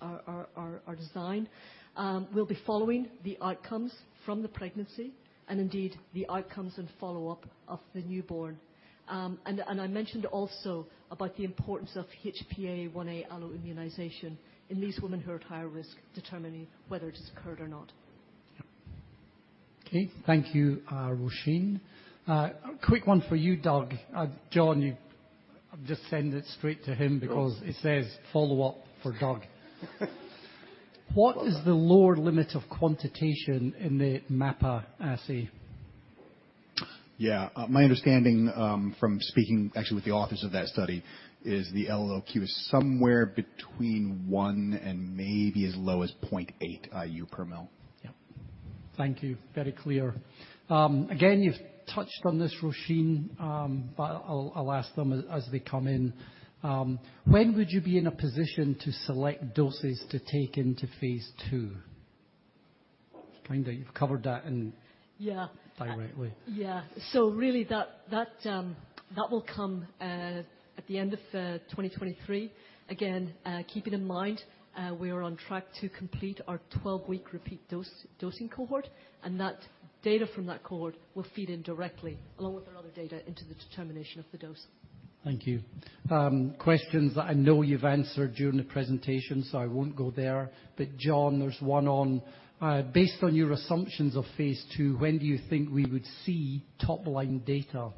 our design. We'll be following the outcomes from the pregnancy and indeed the outcomes and follow-up of the newborn. I mentioned also about the importance of HPA-1a alloimmunization in these women who are at higher risk, determining whether it has occurred or not. Okay, thank you, Róisín. A quick one for you, Doug. Jon, you just send it straight to him because it says, "Follow up for Doug." What is the lower limit of quantitation in the MAIPA assay? Yeah. My understanding, from speaking actually with the authors of that study, is the LLOQ is somewhere between 1 and maybe as low as 0.8, U per mil. Yeah. Thank you. Very clear. Again, you've touched on this, Róisín, but I'll ask them as they come in. When would you be in a position to select doses to take into phase II? You've covered that in. Yeah. Directly. Yeah. Really, that will come at the end of 2023. Again, keeping in mind, we are on track to complete our 12-week repeat dosing cohort, and that data from that cohort will feed in directly, along with our other data, into the determination of the dose. Thank you. Questions that I know you've answered during the presentation, so I won't go there. Jon, based on your assumptions of phase II, when do you think we would see top-line data?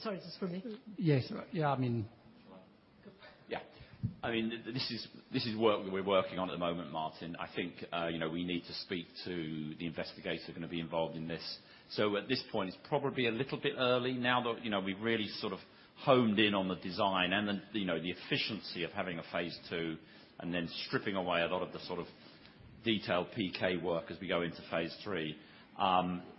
Sorry, is this for me? Yes. Yeah, I mean. Sure. Go ahead. Yeah. I mean, this is work that we're working on at the moment, Martin. I think, you know, we need to speak to the investigators who are gonna be involved in this. At this point, it's probably a little bit early. Now that, you know, we've really sort of honed in on the design and then, you know, the efficiency of having a phase II, and then stripping away a lot of the sort of detailed PK work as we go into phase III.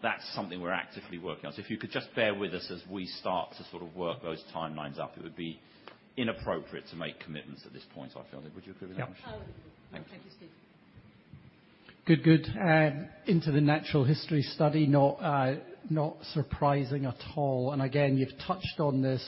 That's something we're actively working on. If you could just bear with us as we start to sort of work those timelines up, it would be inappropriate to make commitments at this point, I feel. Would you agree with that, Róisín? I would agree. Thank you. Thank you, Steve. Good, good. into the natural history study, not surprising at all. And again, you've touched on this,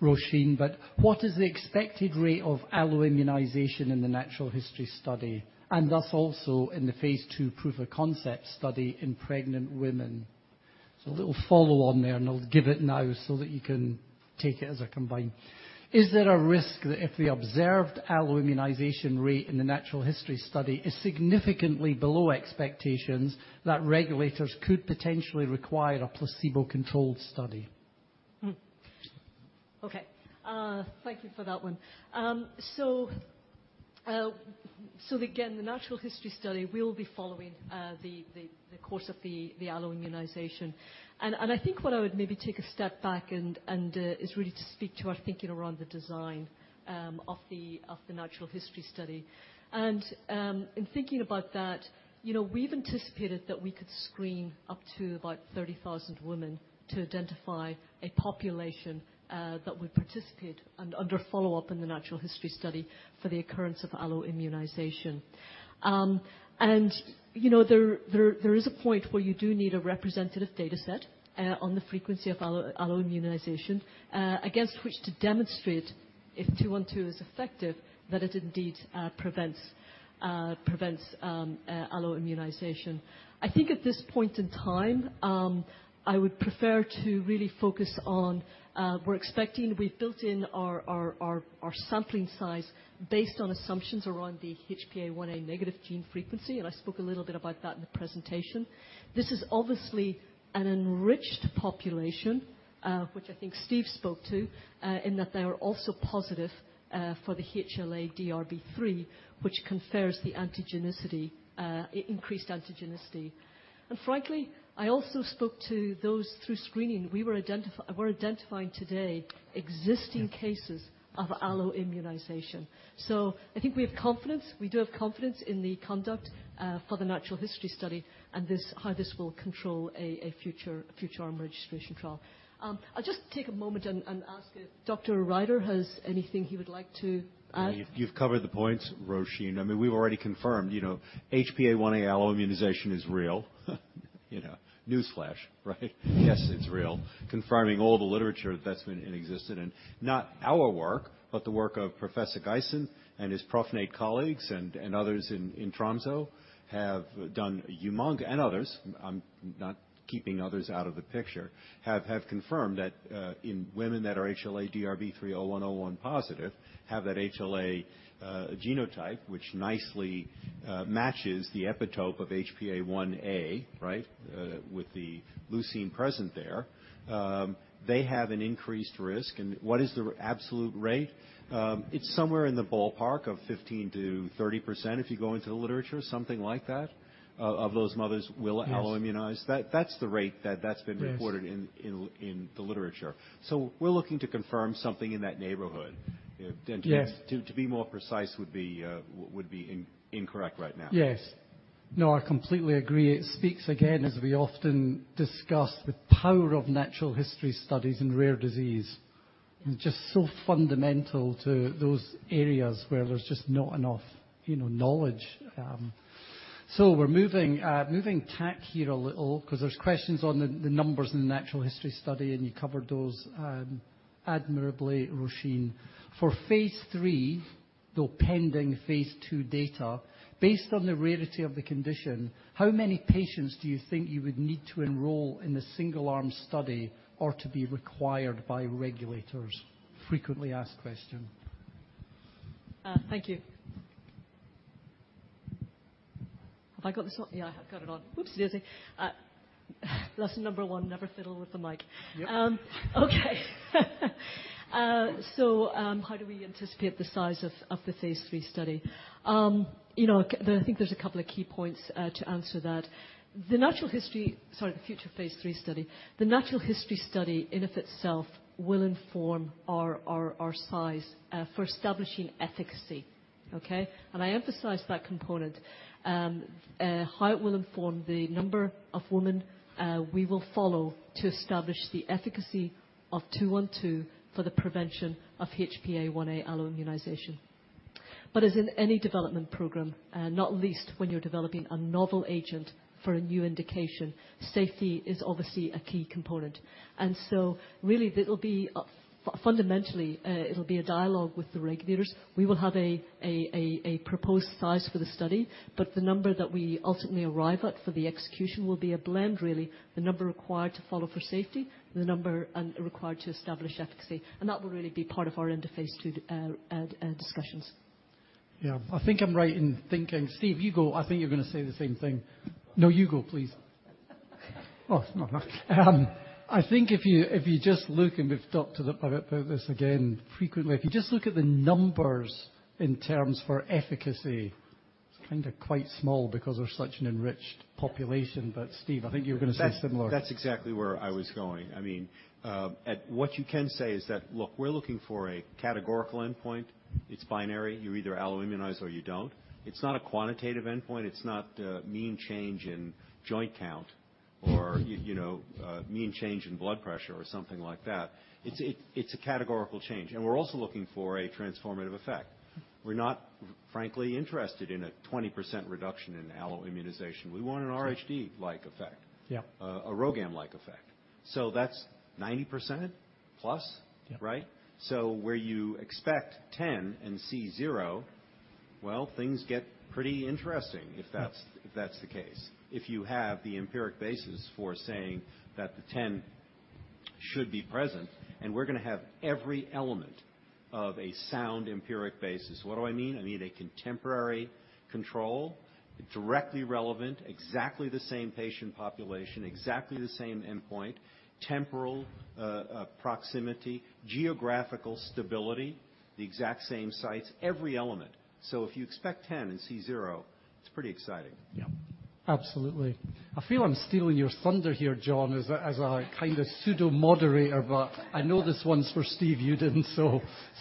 Róisín, but what is the expected rate of alloimmunization in the natural history study, and thus also in the phase II proof-of-concept study in pregnant women? So a little follow on there, and I'll give it now so that you can take it as a combined. Is there a risk that if the observed alloimmunization rate in the natural history study is significantly below expectations, that regulators could potentially require a placebo-controlled study? Okay. Thank you for that one. Again, the natural history study will be following the course of the alloimmunization. I think what I would maybe take a step back and is really to speak to our thinking around the design of the natural history study. In thinking about that, you know, we've anticipated that we could screen up to about 30,000 women to identify a population that would participate and under follow-up in the natural history study for the occurrence of alloimmunization. There is a point where you do need a representative data set on the frequency of alloimmunization against which to demonstrate if RLYB212 is effective, that it indeed prevents alloimmunization. I think at this point in time, I would prefer to really focus on. We've built in our sampling size based on assumptions around the HPA-1a negative gene frequency, and I spoke a little bit about that in the presentation. This is obviously an enriched population, which I think Steve spoke to, in that they are also positive for the HLA-DRB3, which confers the antigenicity, increased antigenicity. Frankly, I also spoke to those through screening. We're identifying today existing cases. Yeah -of alloimmunization. I think we have confidence, we do have confidence in the conduct, for the natural history study, and this, how this will control a future arm registration trial. I'll just take a moment and ask if Dr. Ryder has anything he would like to add. You, you've covered the points, Róisín. I mean, we've already confirmed, you know, HPA-1a alloimmunization is real. You know, newsflash, right? Yes, it's real. Confirming all the literature that's been in existence, and not our work, but the work of Professor Geisen and his Prophylix colleagues and others in Tromsø have confirmed that in women that are HLA-DRB3*01:01 positive, have that HLA genotype, which nicely matches the epitope of HPA-1a, right? With the leucine present there. They have an increased risk, and what is the absolute rate? It's somewhere in the ballpark of 15%-30%, if you go into the literature, something like that, of those mothers will... Yes... alloimmunize. That's the rate that's been recorded. Yes In the literature. We're looking to confirm something in that neighborhood. Yes. To be more precise would be incorrect right now. Yes. No, I completely agree. It speaks again, as we often discuss, the power of natural history studies in rare disease. It's just so fundamental to those areas where there's just not enough, you know, knowledge. We're moving tack here a little, 'cause there's questions on the numbers in the natural history study, and you covered those admirably, Róisín. For phase III, though pending phase II data, based on the rarity of the condition, how many patients do you think you would need to enroll in the single arm study or to be required by regulators? Frequently asked question.... Thank you. Have I got this on? Yeah, I have got it on. Oops, dizzy. Lesson number 1: never fiddle with the mic. Yep. Okay. So, how do we anticipate the size of the phase III study? You know, I think there's a couple of key points to answer that. Sorry, the future phase III study. The natural history study, in of itself, will inform our size for establishing efficacy, okay? I emphasize that component. How it will inform the number of women we will follow to establish the efficacy of 212 for the prevention of HPA-1a alloimmunization. As in any development program, not least, when you're developing a novel agent for a new indication, safety is obviously a key component. Really, it'll be... Fundamentally, it'll be a dialogue with the regulators. We will have a proposed size for the study, the number that we ultimately arrive at for the execution will be a blend, really, the number required to follow for safety, the number required to establish efficacy, and that will really be part of our end of phase II discussions. Yeah. I think I'm right in thinking... Steve, you go. I think you're gonna say the same thing. No, you go, please. Oh, no. I think if you, if you just look, and we've talked about this again frequently. If you just look at the numbers in terms for efficacy, it's kinda quite small because they're such an enriched population. Steve, I think you're gonna say similar. That's exactly where I was going. I mean, What you can say is that, look, we're looking for a categorical endpoint. It's binary. You're either alloimmunized or you don't. It's not a quantitative endpoint. It's not mean change in joint count or, you know, mean change in blood pressure or something like that. It's a categorical change, and we're also looking for a transformative effect. We're not frankly interested in a 20% reduction in alloimmunization. We want an RHD-like effect. Yeah. a RhoGAM-like effect. That's 90% plus? Yeah. Right? Where you expect 10 and see zero, well, things get pretty interesting, if that's the case. If you have the empiric basis for saying that the 10 should be present, we're gonna have every element of a sound, empiric basis. What do I mean? I mean a contemporary control, directly relevant, exactly the same patient population, exactly the same endpoint, temporal proximity, geographical stability, the exact same sites, every element. If you expect 10 and see 0, it's pretty exciting. Yeah. Absolutely. I feel I'm stealing your thunder here, Jon, as a kind of pseudo moderator, but I know this one's for Steve Uden,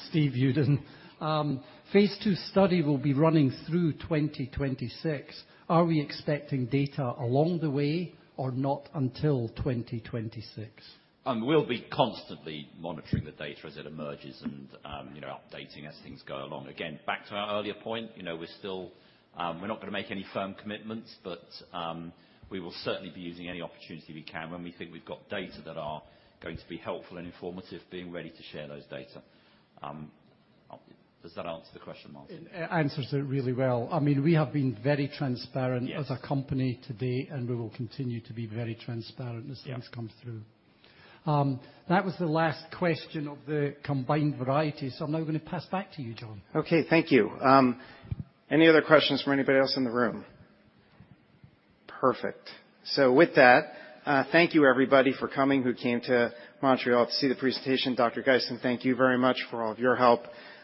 Steve Uden. Phase II study will be running through 2026. Are we expecting data along the way or not until 2026? We'll be constantly monitoring the data as it emerges and, you know, updating as things go along. Back to our earlier point, you know, we're still, we're not going to make any firm commitments, we will certainly be using any opportunity we can when we think we've got data that are going to be helpful and informative, being ready to share those data. Does that answer the question, Martin? It answers it really well. I mean, we have been very transparent. Yes. As a company to date, we will continue to be very transparent. Yes -as things come through. That was the last question of the combined variety, so I'm now gonna pass back to you, Jon. Okay, thank you. Any other questions from anybody else in the room? Perfect. With that, thank you, everybody, for coming, who came to Montreal to see the presentation. Dr. Geisen, thank you very much for all of your help.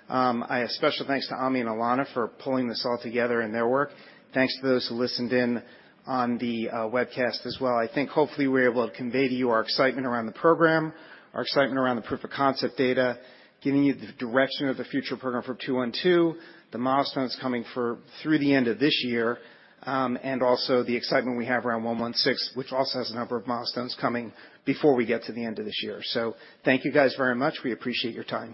A special thanks to Ami and Alana for pulling this all together in their work. Thanks to those who listened in on the webcast as well. I think hopefully we were able to convey to you our excitement around the program, our excitement around the proof of concept data, giving you the direction of the future program for two, one, two, the milestones coming for through the end of this year, and also the excitement we have around one, six, which also has a number of milestones coming before we get to the end of this year. Thank you, guys, very much. We appreciate your time.